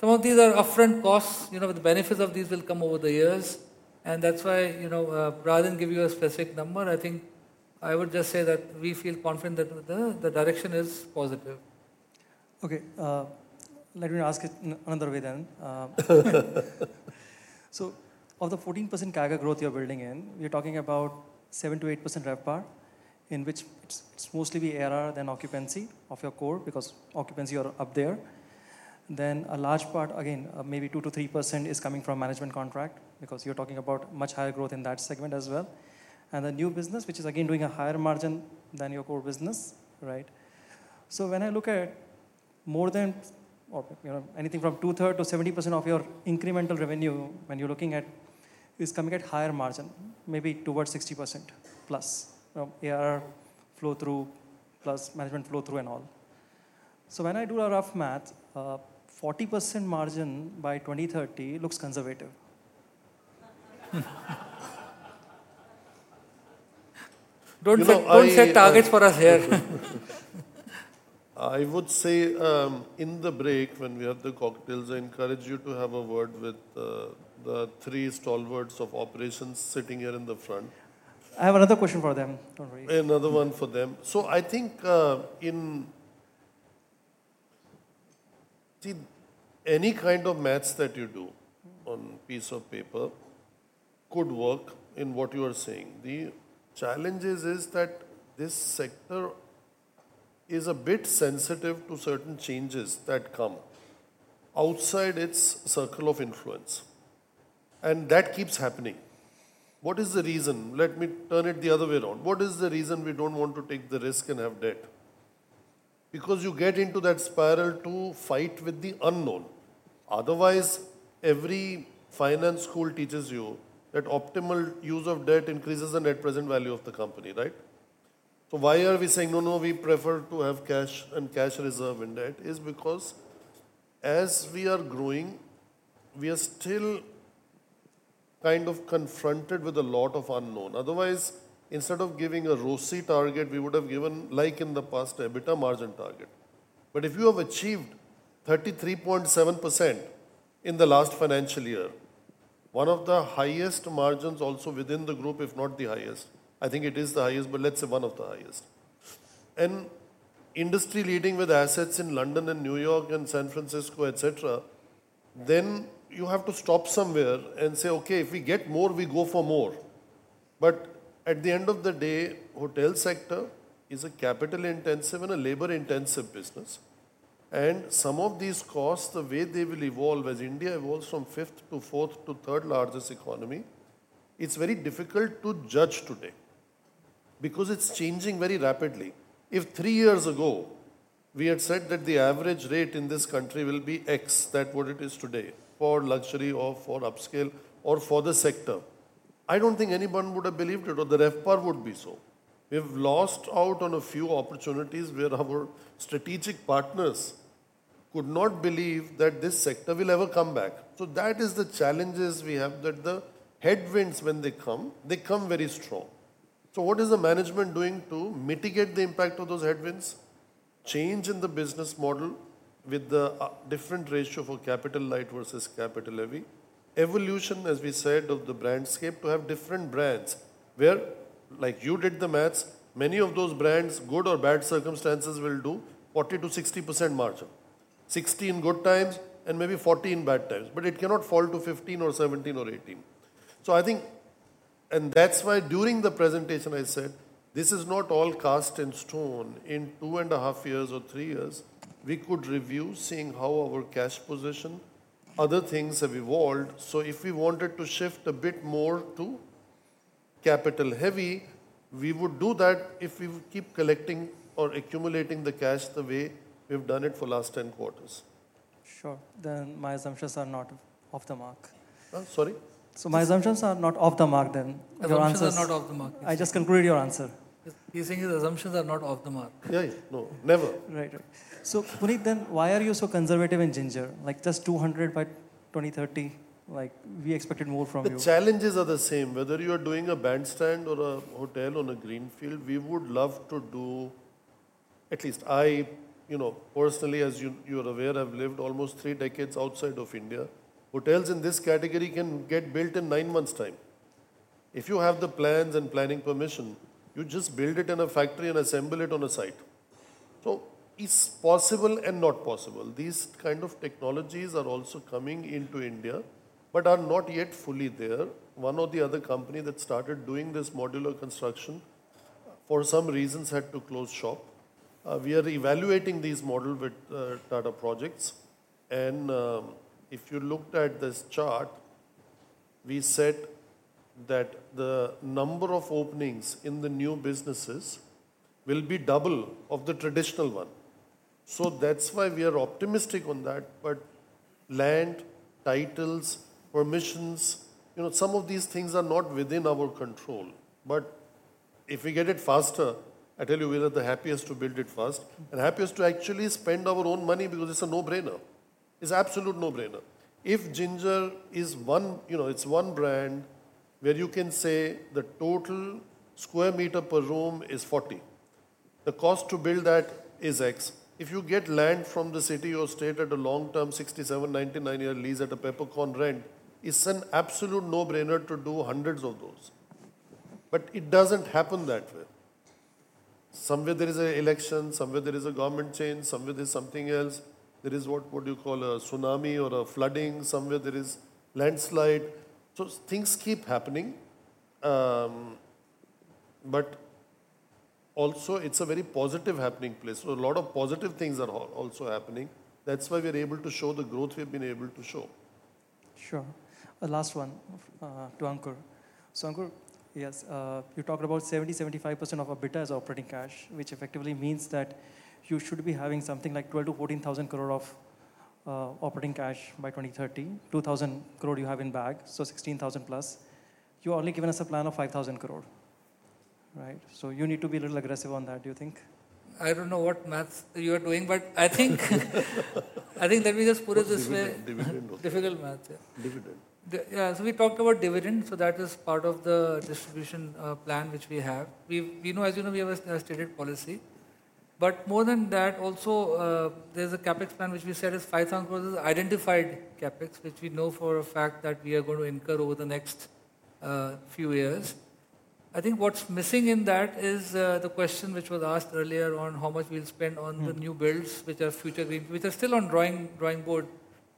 some of these are upfront costs. The benefits of these will come over the years. And that's why, rather than give you a specific number, I think I would just say that we feel confident that the direction is positive. Okay. Let me ask it another way then. So of the 14% CAGR growth you're building in, we are talking about 7%-8% RevPAR, in which it's mostly the ARR, then occupancy of your core because occupancy are up there. Then a large part, again, maybe 2%-3% is coming from management contract because you're talking about much higher growth in that segment as well. And the new business, which is again doing a higher margin than your core business, right? So when I look at more than anything from two-thirds to 70% of your incremental revenue, when you're looking at is coming at higher margin, maybe towards 60%+ ARR flow-through plus management flow-through and all. So when I do a rough math, 40% margin by 2030 looks conservative. Don't set targets for us here. I would say in the break, when we have the cocktails, I encourage you to have a word with the three stalwarts of operations sitting here in the front. I have another question for them. Don't worry. Another one for them. So I think, see, any kind of math that you do on a piece of paper could work in what you are saying. The challenge is that this sector is a bit sensitive to certain changes that come outside its circle of influence. And that keeps happening. What is the reason? Let me turn it the other way around. What is the reason we don't want to take the risk and have debt? Because you get into that spiral to fight with the unknown. Otherwise, every finance school teaches you that optimal use of debt increases the net present value of the company, right? So why are we saying, "No, no, we prefer to have cash and cash reserve in debt"? It's because as we are growing, we are still kind of confronted with a lot of unknown. Otherwise, instead of giving a rosy target, we would have given, like in the past, EBITDA margin target. But if you have achieved 33.7% in the last financial year, one of the highest margins also within the group, if not the highest, I think it is the highest, but let's say one of the highest, and industry-leading with assets in London and New York and San Francisco, et cetera, then you have to stop somewhere and say, "Okay, if we get more, we go for more." But at the end of the day, the hotel sector is a capital-intensive and a labor-intensive business. And some of these costs, the way they will evolve as India evolves from fifth to fourth to third largest economy, it's very difficult to judge today because it's changing very rapidly. If three years ago, we had said that the average rate in this country will be X, that what it is today for luxury or for upscale or for the sector, I don't think anyone would have believed it or the RevPAR would be so. We have lost out on a few opportunities where our strategic partners could not believe that this sector will ever come back. So that is the challenges we have that the headwinds, when they come, they come very strong. So what is the management doing to mitigate the impact of those headwinds? Change in the business model with the different ratio for capital-light versus capital heavy, evolution, as we said, of the brand scale to have different brands where, like you did the math, many of those brands, good or bad circumstances, will do 40%-60% margin, 60% in good times and maybe 40% in bad times. But it cannot fall to 15% or 17% or 18%. So I think, and that's why during the presentation, I said, "This is not all cast in stone. In two and a half years or three years, we could review seeing how our cash position, other things have evolved." So if we wanted to shift a bit more to capital heavy, we would do that if we keep collecting or accumulating the cash the way we've done it for the last 10 quarters. Sure. Then my assumptions are not off the mark. Sorry? So my assumptions are not off the mark then? Your answer. Assumptions are not off the mark. I just concluded your answer. He's saying his assumptions are not off the mark. Yeah. No. Never. Right. Right. So Puneet, then why are you so conservative in Ginger? Like just 200 by 2030, we expected more from you. The challenges are the same. Whether you are doing a Bandra Bandstand or a hotel on a greenfield, we would love to do at least. I personally, as you are aware, have lived almost three decades outside of India. Hotels in this category can get built in nine months' time. If you have the plans and planning permission, you just build it in a factory and assemble it on a site. So it's possible and not possible. These kind of technologies are also coming into India but are not yet fully there. One of the other companies that started doing this modular construction for some reasons had to close shop. We are evaluating these models with Tata Projects. If you looked at this chart, we said that the number of openings in the new businesses will be double of the traditional one. That's why we are optimistic on that. But land, titles, permissions, some of these things are not within our control. But if we get it faster, I tell you, we are the happiest to build it fast and happiest to actually spend our own money because it's a no-brainer. It's absolute no-brainer. If Ginger is one brand where you can say the total square meter per room is 40, the cost to build that is X. If you get land from the city or state at a long-term 67- or 99-year lease at a peppercorn rent, it's an absolute no-brainer to do hundreds of those. But it doesn't happen that way. Somewhere there is an election. Somewhere there is a government change. Somewhere there is something else. There is what you call a tsunami or a flooding. Somewhere there is landslide. So things keep happening. But also, it's a very positive happening place. So a lot of positive things are also happening. That's why we are able to show the growth we've been able to show. Sure. The last one to Ankur. So Ankur, yes, you talked about 70%-75% of EBITDA as operating cash, which effectively means that you should be having something like 12,000 crore-14,000 crore of operating cash by 2030, 2,000 crore you have in bag, so 16,000+. You're only giving us a plan of 5,000 crore. Right? So you need to be a little aggressive on that, do you think? I don't know what math you are doing, but I think that we just put it this way. Dividend. Difficult math. Dividend. Yeah. We talked about dividend. That is part of the distribution plan which we have. As you know, we have a stated policy. But more than that, also, there's a CapEx plan which we said is 5,000 crore identified CapEx, which we know for a fact that we are going to incur over the next few years. I think what's missing in that is the question which was asked earlier on how much we'll spend on the new builds, which are future green, which are still on drawing board.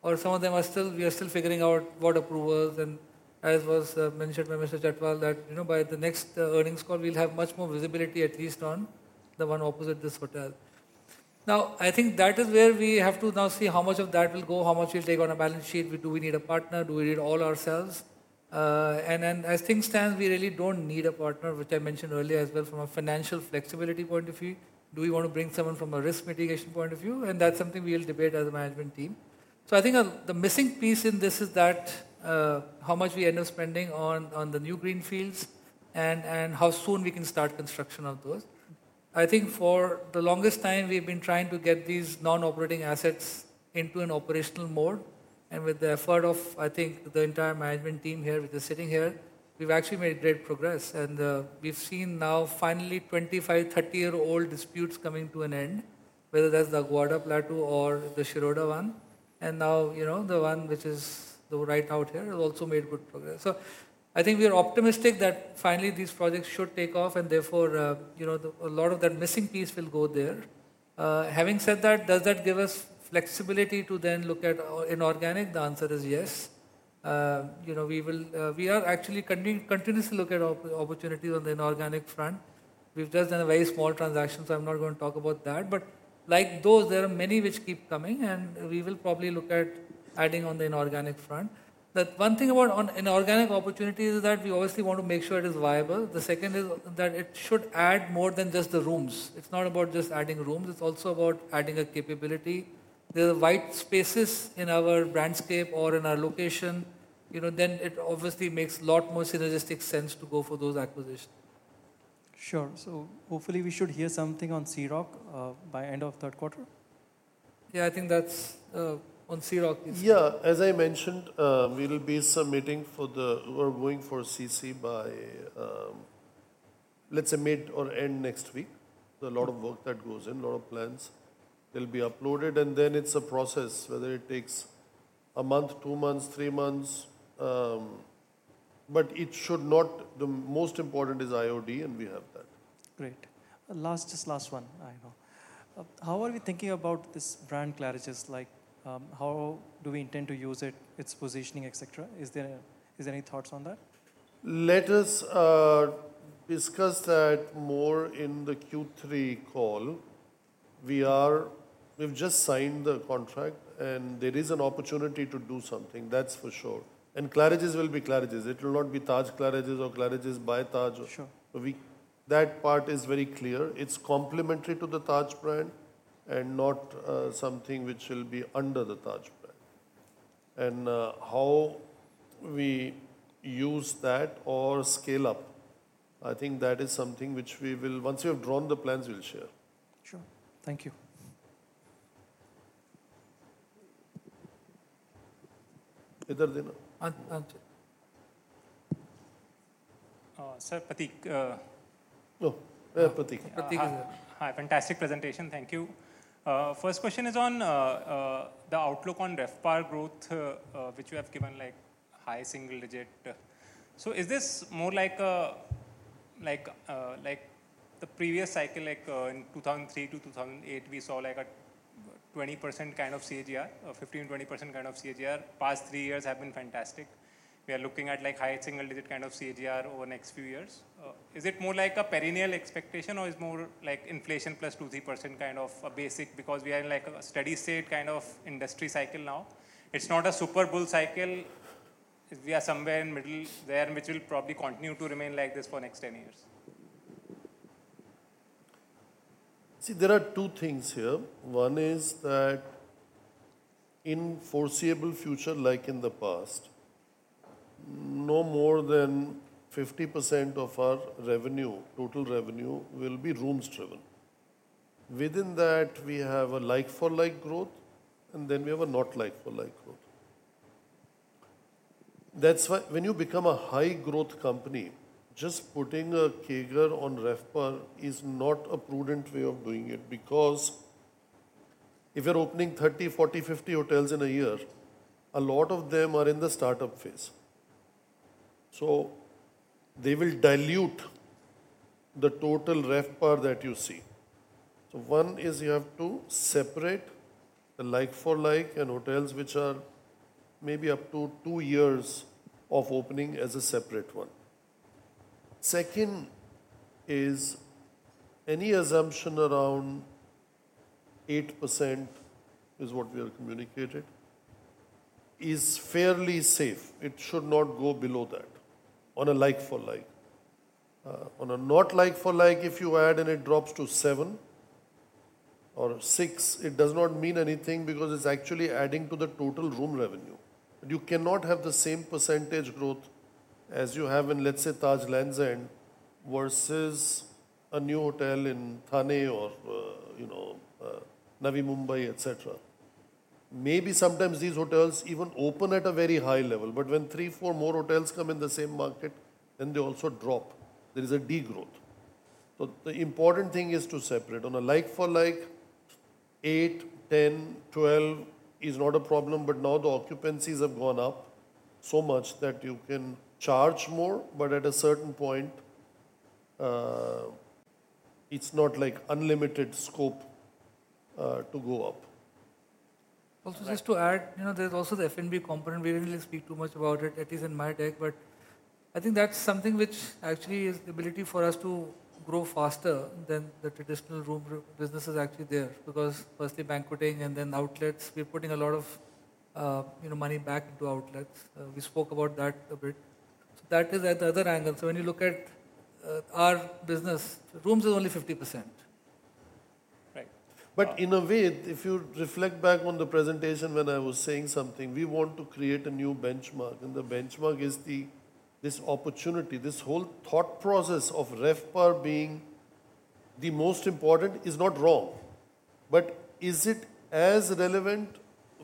Or some of them are still we are still figuring out what approvals. And as was mentioned by Mr. Chhatwal, that by the next earnings call, we'll have much more visibility, at least on the one opposite this hotel. Now, I think that is where we have to now see how much of that will go, how much we'll take on a balance sheet. Do we need a partner? Do we need all ourselves? And as things stand, we really don't need a partner, which I mentioned earlier as well from a financial flexibility point of view? Do we want to bring someone from a risk mitigation point of view? And that's something we'll debate as a management team, so I think the missing piece in this is how much we end up spending on the new greenfields and how soon we can start construction of those. I think for the longest time, we've been trying to get these non-operating assets into an operational mode, and with the effort of, I think, the entire management team here which is sitting here, we've actually made great progress. And we've seen now finally 25-, 30-year-old disputes coming to an end, whether that's the Aguada or the Shiroda one. And now the one which is right out here has also made good progress. So I think we are optimistic that finally these projects should take off. And therefore, a lot of that missing piece will go there. Having said that, does that give us flexibility to then look at inorganic? The answer is yes. We are actually continuously looking at opportunities on the inorganic front. We've just done a very small transaction, so I'm not going to talk about that. But like those, there are many which keep coming. And we will probably look at adding on the inorganic front. The one thing about inorganic opportunities is that we obviously want to make sure it is viable. The second is that it should add more than just the rooms. It's not about just adding rooms. It's also about adding a capability. There are white spaces in our brandscape or in our location. Then it obviously makes a lot more synergistic sense to go for those acquisitions. Sure. So hopefully, we should hear something on CRZ by end of third quarter. Yeah. I think that's on Sea Rock. Yeah. As I mentioned, we'll be submitting for the CC by, let's say, mid or end next week. There's a lot of work that goes in, a lot of plans. They'll be uploaded. And then it's a process, whether it takes a month, two months, three months. But it should not. The most important is IOD, and we have that. Great. Just last one, I know. How are we thinking about this brand Claridges? How do we intend to use it, its positioning, et cetera? Is there any thoughts on that? Let us discuss that more in the Q3 call. We've just signed the contract, and there is an opportunity to do something. That's for sure. And Claridges will be Claridges. It will not be Taj Claridges or Claridges by Taj. That part is very clear. It's complementary to the Taj brand and not something which will be under the Taj brand. And how we use that or scale up, I think that is something which we will once we have drawn the plans, we'll share. Sure. Thank you. Sir, Prateek. Oh, Prateek. Prateek. Hi. Fantastic presentation. Thank you. First question is on the outlook on RevPAR growth, which you have given high single-digit. So is this more like the previous cycle, like in 2003 to 2008, we saw a 20% kind of CAGR, 15%-20% kind of CAGR? Past three years have been fantastic. We are looking at high single-digit kind of CAGR over the next few years. Is it more like a perennial expectation, or is it more like inflation plus 2%-3% kind of a basic because we are in a steady-state kind of industry cycle now? It's not a super bull cycle. We are somewhere in the middle there, which will probably continue to remain like this for the next 10 years. See, there are two things here. One is that in foreseeable future, like in the past, no more than 50% of our revenue, total revenue, will be rooms-driven. Within that, we have a like-for-like growth, and then we have a not like-for-like growth. That's why when you become a high-growth company, just putting a CAGR on RevPAR is not a prudent way of doing it because if you're opening 30, 40, 50 hotels in a year, a lot of them are in the startup phase. So they will dilute the total RevPAR that you see. So one is you have to separate the like-for-like and hotels which are maybe up to two years of opening as a separate one. Second is any assumption around 8% is what we have communicated is fairly safe. It should not go below that on a like-for-like. On a non like-for-like, if you add and it drops to seven or six, it does not mean anything because it's actually adding to the total room revenue. But you cannot have the same percentage growth as you have in, let's say, Taj Lands End versus a new hotel in Thane or Navi Mumbai, et cetera. Maybe sometimes these hotels even open at a very high level. But when three, four more hotels come in the same market, then they also drop. There is a degrowth. So the important thing is to separate. On a like-for-like, eight, 10, 12 is not a problem. But now the occupancies have gone up so much that you can charge more. But at a certain point, it's not like unlimited scope to go up. Also, just to add, there's also the F&B component. We didn't really speak too much about it, at least in my talk. But I think that's something which actually is the ability for us to grow faster than the traditional room business is actually there because firstly, banqueting and then outlets. We're putting a lot of money back into outlets. We spoke about that a bit. So that is at the other angle. So when you look at our business, rooms is only 50%. Right. But in a way, if you reflect back on the presentation when I was saying something, we want to create a new benchmark. And the benchmark is this opportunity. This whole thought process of RevPAR being the most important is not wrong. But is it as relevant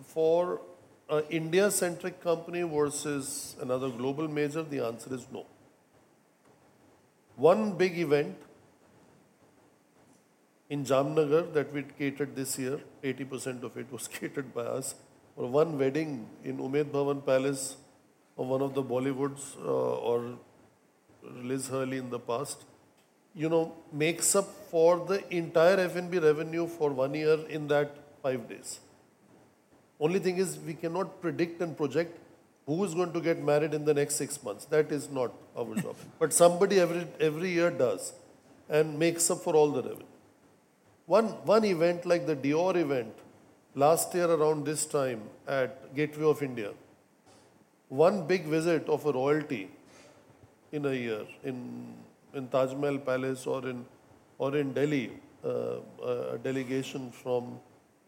for an India-centric company versus another global major? The answer is no. One big event in Jamnagar that we catered this year, 80% of it was catered by us, or one wedding in Umaid Bhawan Palace or one of the Bollywoods or Liz Hurley in the past makes up for the entire F&B revenue for one year in that five days. Only thing is we cannot predict and project who is going to get married in the next six months. That is not our job. But somebody every year does and makes up for all the revenue. One event like the Dior event last year around this time at Gateway of India, one big visit of a royalty in a year in Taj Mahal Palace or in Delhi, a delegation from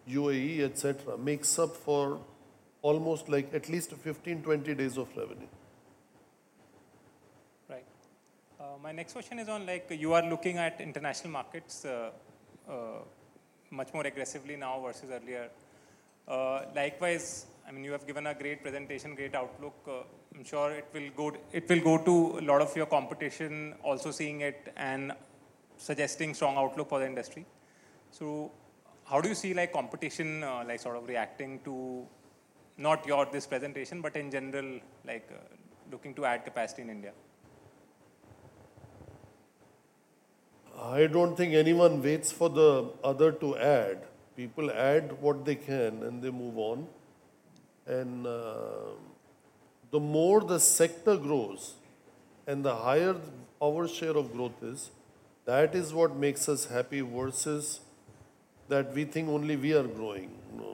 UAE, et cetera, makes up for almost at least 15-20 days of revenue. Right. My next question is on you are looking at international markets much more aggressively now versus earlier. Likewise, I mean, you have given a great presentation, great outlook. I'm sure it will go to a lot of your competition also seeing it and suggesting strong outlook for the industry. So how do you see competition sort of reacting to not your this presentation, but in general, looking to add capacity in India? I don't think anyone waits for the other to add. People add what they can, and they move on. And the more the sector grows and the higher our share of growth is, that is what makes us happy versus that we think only we are growing.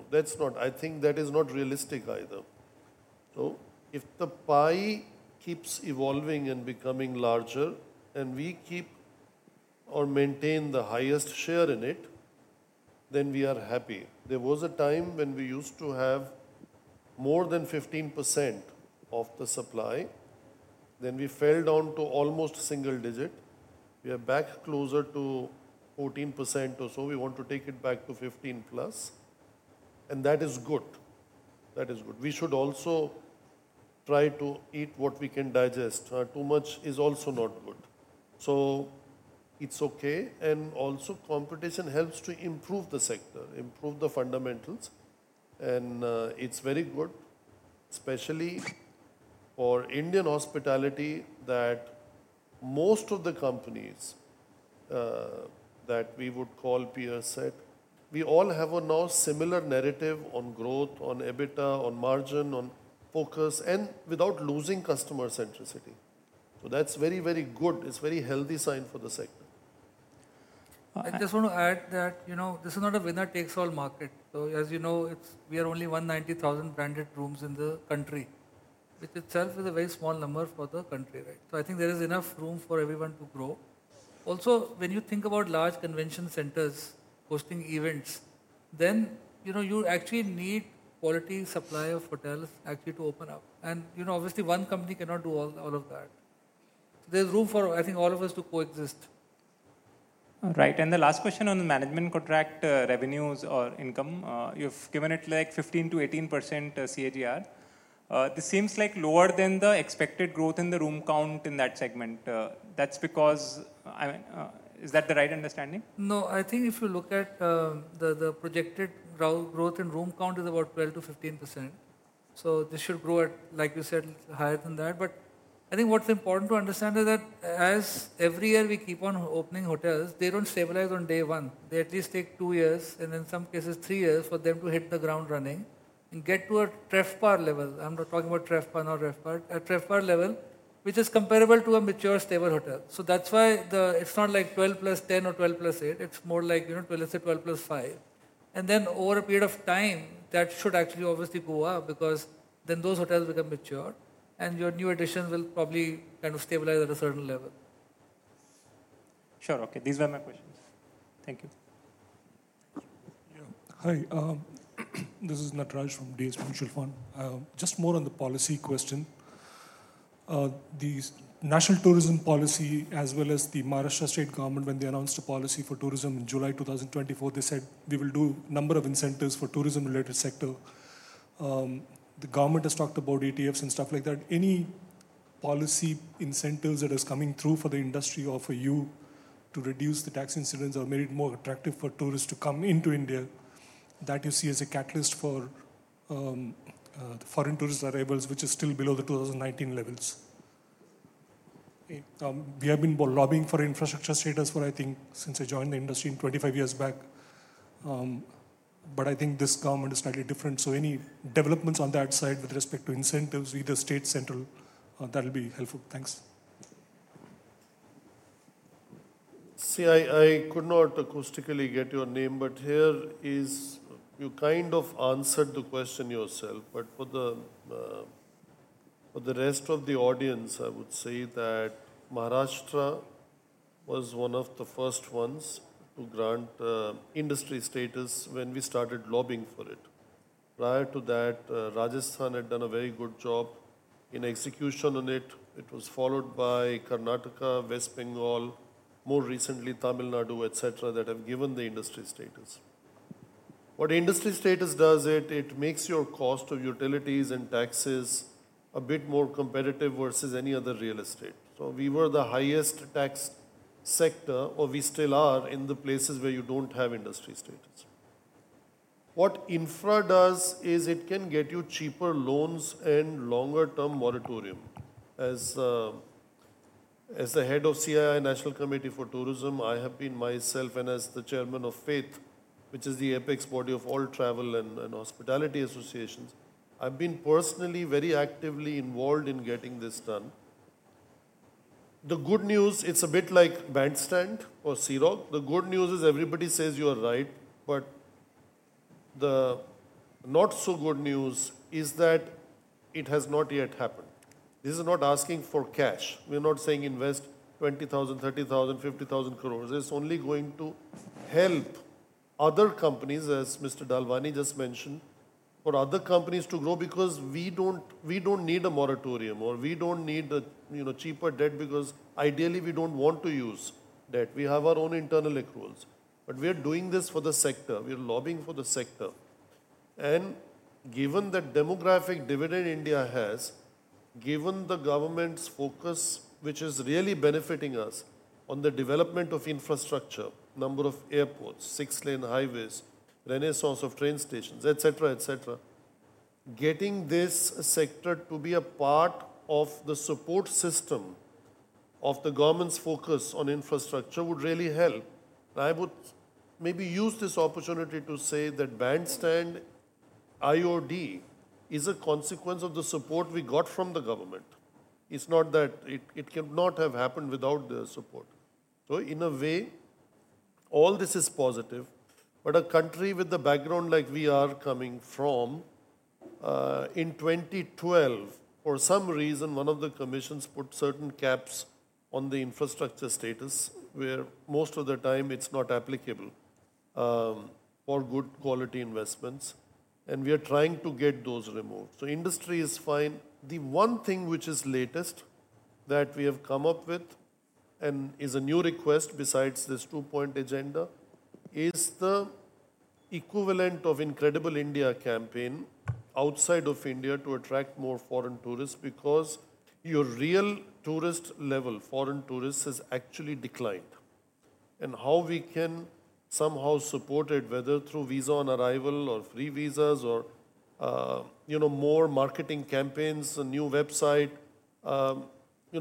That's not. I think that is not realistic either. So if the pie keeps evolving and becoming larger, and we keep or maintain the highest share in it, then we are happy. There was a time when we used to have more than 15% of the supply. Then we fell down to almost single digit. We are back closer to 14% or so. We want to take it back to 15 plus. And that is good. That is good. We should also try to eat what we can digest. Too much is also not good. So it's okay. And also, competition helps to improve the sector, improve the fundamentals. And it's very good, especially for Indian hospitality, that most of the companies that we would call peer set, we all have now a similar narrative on growth, on EBITDA, on margin, on focus, and without losing customer centricity. So that's very, very good. It's a very healthy sign for the sector. I just want to add that this is not a winner-takes-all market. So as you know, we are only 190,000 branded rooms in the country, which itself is a very small number for the country. So I think there is enough room for everyone to grow. Also, when you think about large convention centers hosting events, then you actually need quality supply of hotels actually to open up. And obviously, one company cannot do all of that. So there's room for, I think, all of us to coexist. Right. And the last question on the management contract revenues or income. You've given it 15%-18% CAGR. This seems like lower than the expected growth in the room count in that segment. That's because? Is that the right understanding? No. I think if you look at the projected growth in room count, it's about 12%-15%. So this should grow at, like you said, higher than that. But I think what's important to understand is that as every year we keep on opening hotels, they don't stabilize on day one. They at least take two years and in some cases, three years for them to hit the ground running and get to a TrevPAR level. I'm not talking about TrevPAR, not RevPAR, a TrevPAR level, which is comparable to a mature stable hotel. So that's why it's not like 12 plus 10 or 12 plus 8. It's more like 12 plus 5. And then over a period of time, that should actually obviously go up because then those hotels become mature. And your new additions will probably kind of stabilize at a certain level. Sure. Okay. These were my questions. Thank you. Hi. This is Nataraj from DSP Mutual Fund. Just more on the policy question. The National Tourism Policy, as well as the Maharashtra State Government, when they announced a policy for tourism in July 2024, they said, "We will do a number of incentives for the tourism-related sector." The government has talked about ETFs and stuff like that. Any policy incentives that are coming through for the industry or for you to reduce the tax incidence or make it more attractive for tourists to come into India, that you see as a catalyst for foreign tourist arrivals, which is still below the 2019 levels? We have been lobbying for infrastructure status for, I think, since I joined the industry 25 years back. But I think this government is slightly different. So any developments on that side with respect to incentives, either state or central, that will be helpful. Thanks. See, I could not acoustically get your name, but here you kind of answered the question yourself. But for the rest of the audience, I would say that Maharashtra was one of the first ones to grant industry status when we started lobbying for it. Prior to that, Rajasthan had done a very good job in execution on it. It was followed by Karnataka, West Bengal, more recently, Tamil Nadu, et cetera, that have given the industry status. What industry status does is it makes your cost of utilities and taxes a bit more competitive versus any other real estate. So we were the highest taxed sector, or we still are, in the places where you don't have industry status. What infra does is it can get you cheaper loans and longer-term moratorium. As the head of CII, National Committee for Tourism, I have been myself, and as the chairman of FAITH, which is the apex body of all travel and hospitality associations, I've been personally very actively involved in getting this done. The good news, it's a bit like Bandra Bandstand or Sea Rock. The good news is everybody says you are right. But the not-so-good news is that it has not yet happened. This is not asking for cash. We're not saying invest 20,000 crore, 30,000 crore, 50,000 crore. It's only going to help other companies, as Mr. Dalwani just mentioned, for other companies to grow because we don't need a moratorium or we don't need cheaper debt because ideally, we don't want to use debt. We have our own internal accruals. But we are doing this for the sector. We are lobbying for the sector. Given the demographic dividend India has, given the government's focus, which is really benefiting us on the development of infrastructure, number of airports, six-lane highways, renaissance of train stations, et cetera, et cetera, getting this sector to be a part of the support system of the government's focus on infrastructure would really help. I would maybe use this opportunity to say that Bandstand IOD is a consequence of the support we got from the government. It's not that it could not have happened without the support. So in a way, all this is positive. A country with the background like we are coming from, in 2012, for some reason, one of the commissions put certain caps on the infrastructure status where most of the time it's not applicable for good quality investments. We are trying to get those removed. Industry is fine. The one thing which is latest that we have come up with and is a new request besides this two-point agenda is the equivalent of the Incredible India campaign outside of India to attract more foreign tourists because your real tourist level, foreign tourists, has actually declined, and how we can somehow support it, whether through visa on arrival or free visas or more marketing campaigns, a new website,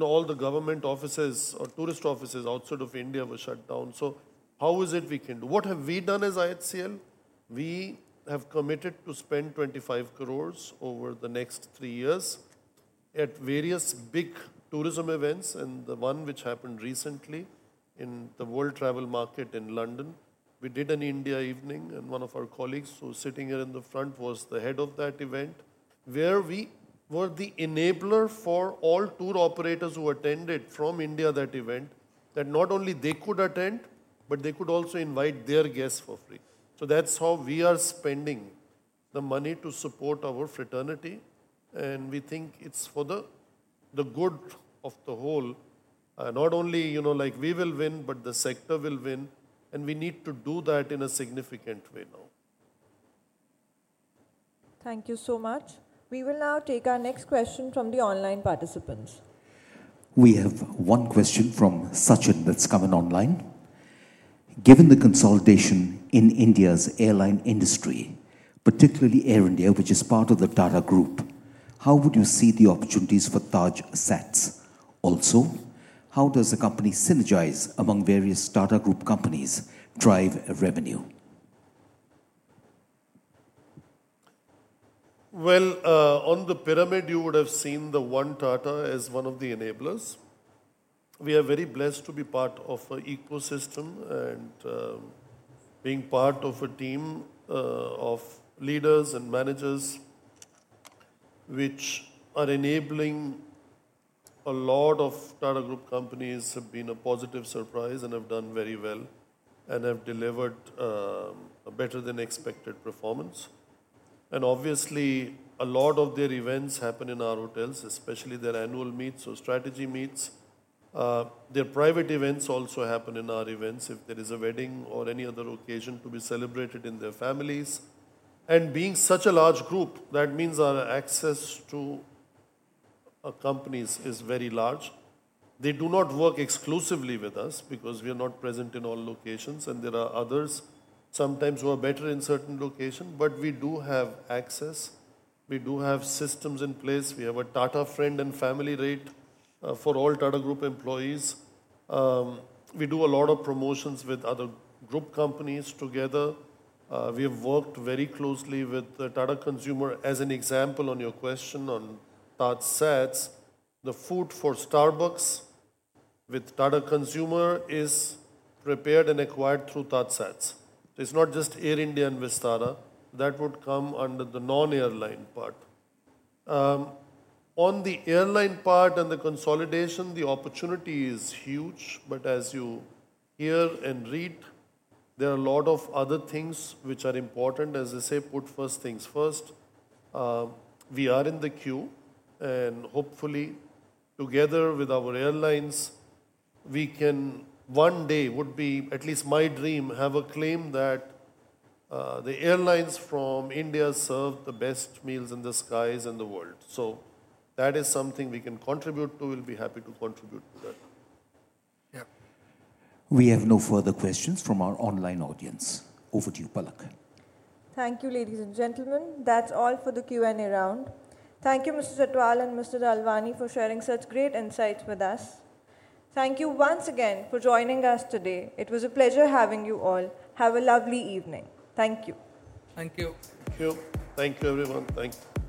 all the government offices or tourist offices outside of India were shut down, so how is it we can do? What have we done as IHCL? We have committed to spend 25 crore over the next three years at various big tourism events, and the one which happened recently in the World Travel Market in London, we did an India evening. One of our colleagues who's sitting here in the front was the head of that event, where we were the enabler for all tour operators who attended from India that event, that not only they could attend, but they could also invite their guests for free. That's how we are spending the money to support our fraternity. We think it's for the good of the whole. Not only we will win, but the sector will win. We need to do that in a significant way now. Thank you so much. We will now take our next question from the online participants. We have one question from Sachin that's come in online. Given the consolidation in India's airline industry, particularly Air India, which is part of the Tata Group, how would you see the opportunities for TajSATS? Also, how does a company synergize among various Tata Group companies drive revenue? On the pyramid, you would have seen the One Tata as one of the enablers. We are very blessed to be part of an ecosystem and being part of a team of leaders and managers which are enabling a lot of Tata Group companies have been a positive surprise and have done very well and have delivered a better-than-expected performance. Obviously, a lot of their events happen in our hotels, especially their annual meets, or strategy meets. Their private events also happen in our events if there is a wedding or any other occasion to be celebrated in their families. Being such a large group, that means our access to companies is very large. They do not work exclusively with us because we are not present in all locations. There are others sometimes who are better in certain locations. We do have access. We do have systems in place. We have a Tata Friends and Family rate for all Tata Group employees. We do a lot of promotions with other group companies together. We have worked very closely with Tata Consumer. As an example, on your question on TajSATS, the food for Starbucks with Tata Consumer is prepared and acquired through TajSATS. It's not just Air India and Vistara. That would come under the non-airline part. On the airline part and the consolidation, the opportunity is huge, but as you hear and read, there are a lot of other things which are important. As I say, put first things first. We are in the queue, and hopefully, together with our airlines, we can one day would be at least my dream have a claim that the airlines from India serve the best meals in the skies and the world. So that is something we can contribute to. We'll be happy to contribute to that. Yeah. We have no further questions from our online audience. Over to you, Palak. Thank you, ladies and gentlemen. That's all for the Q&A round. Thank you, Mr. Chhatwal and Mr. Dalwani, for sharing such great insights with us. Thank you once again for joining us today. It was a pleasure having you all. Have a lovely evening. Thank you. Thank you. Thank you. Thank you, everyone. Thank you.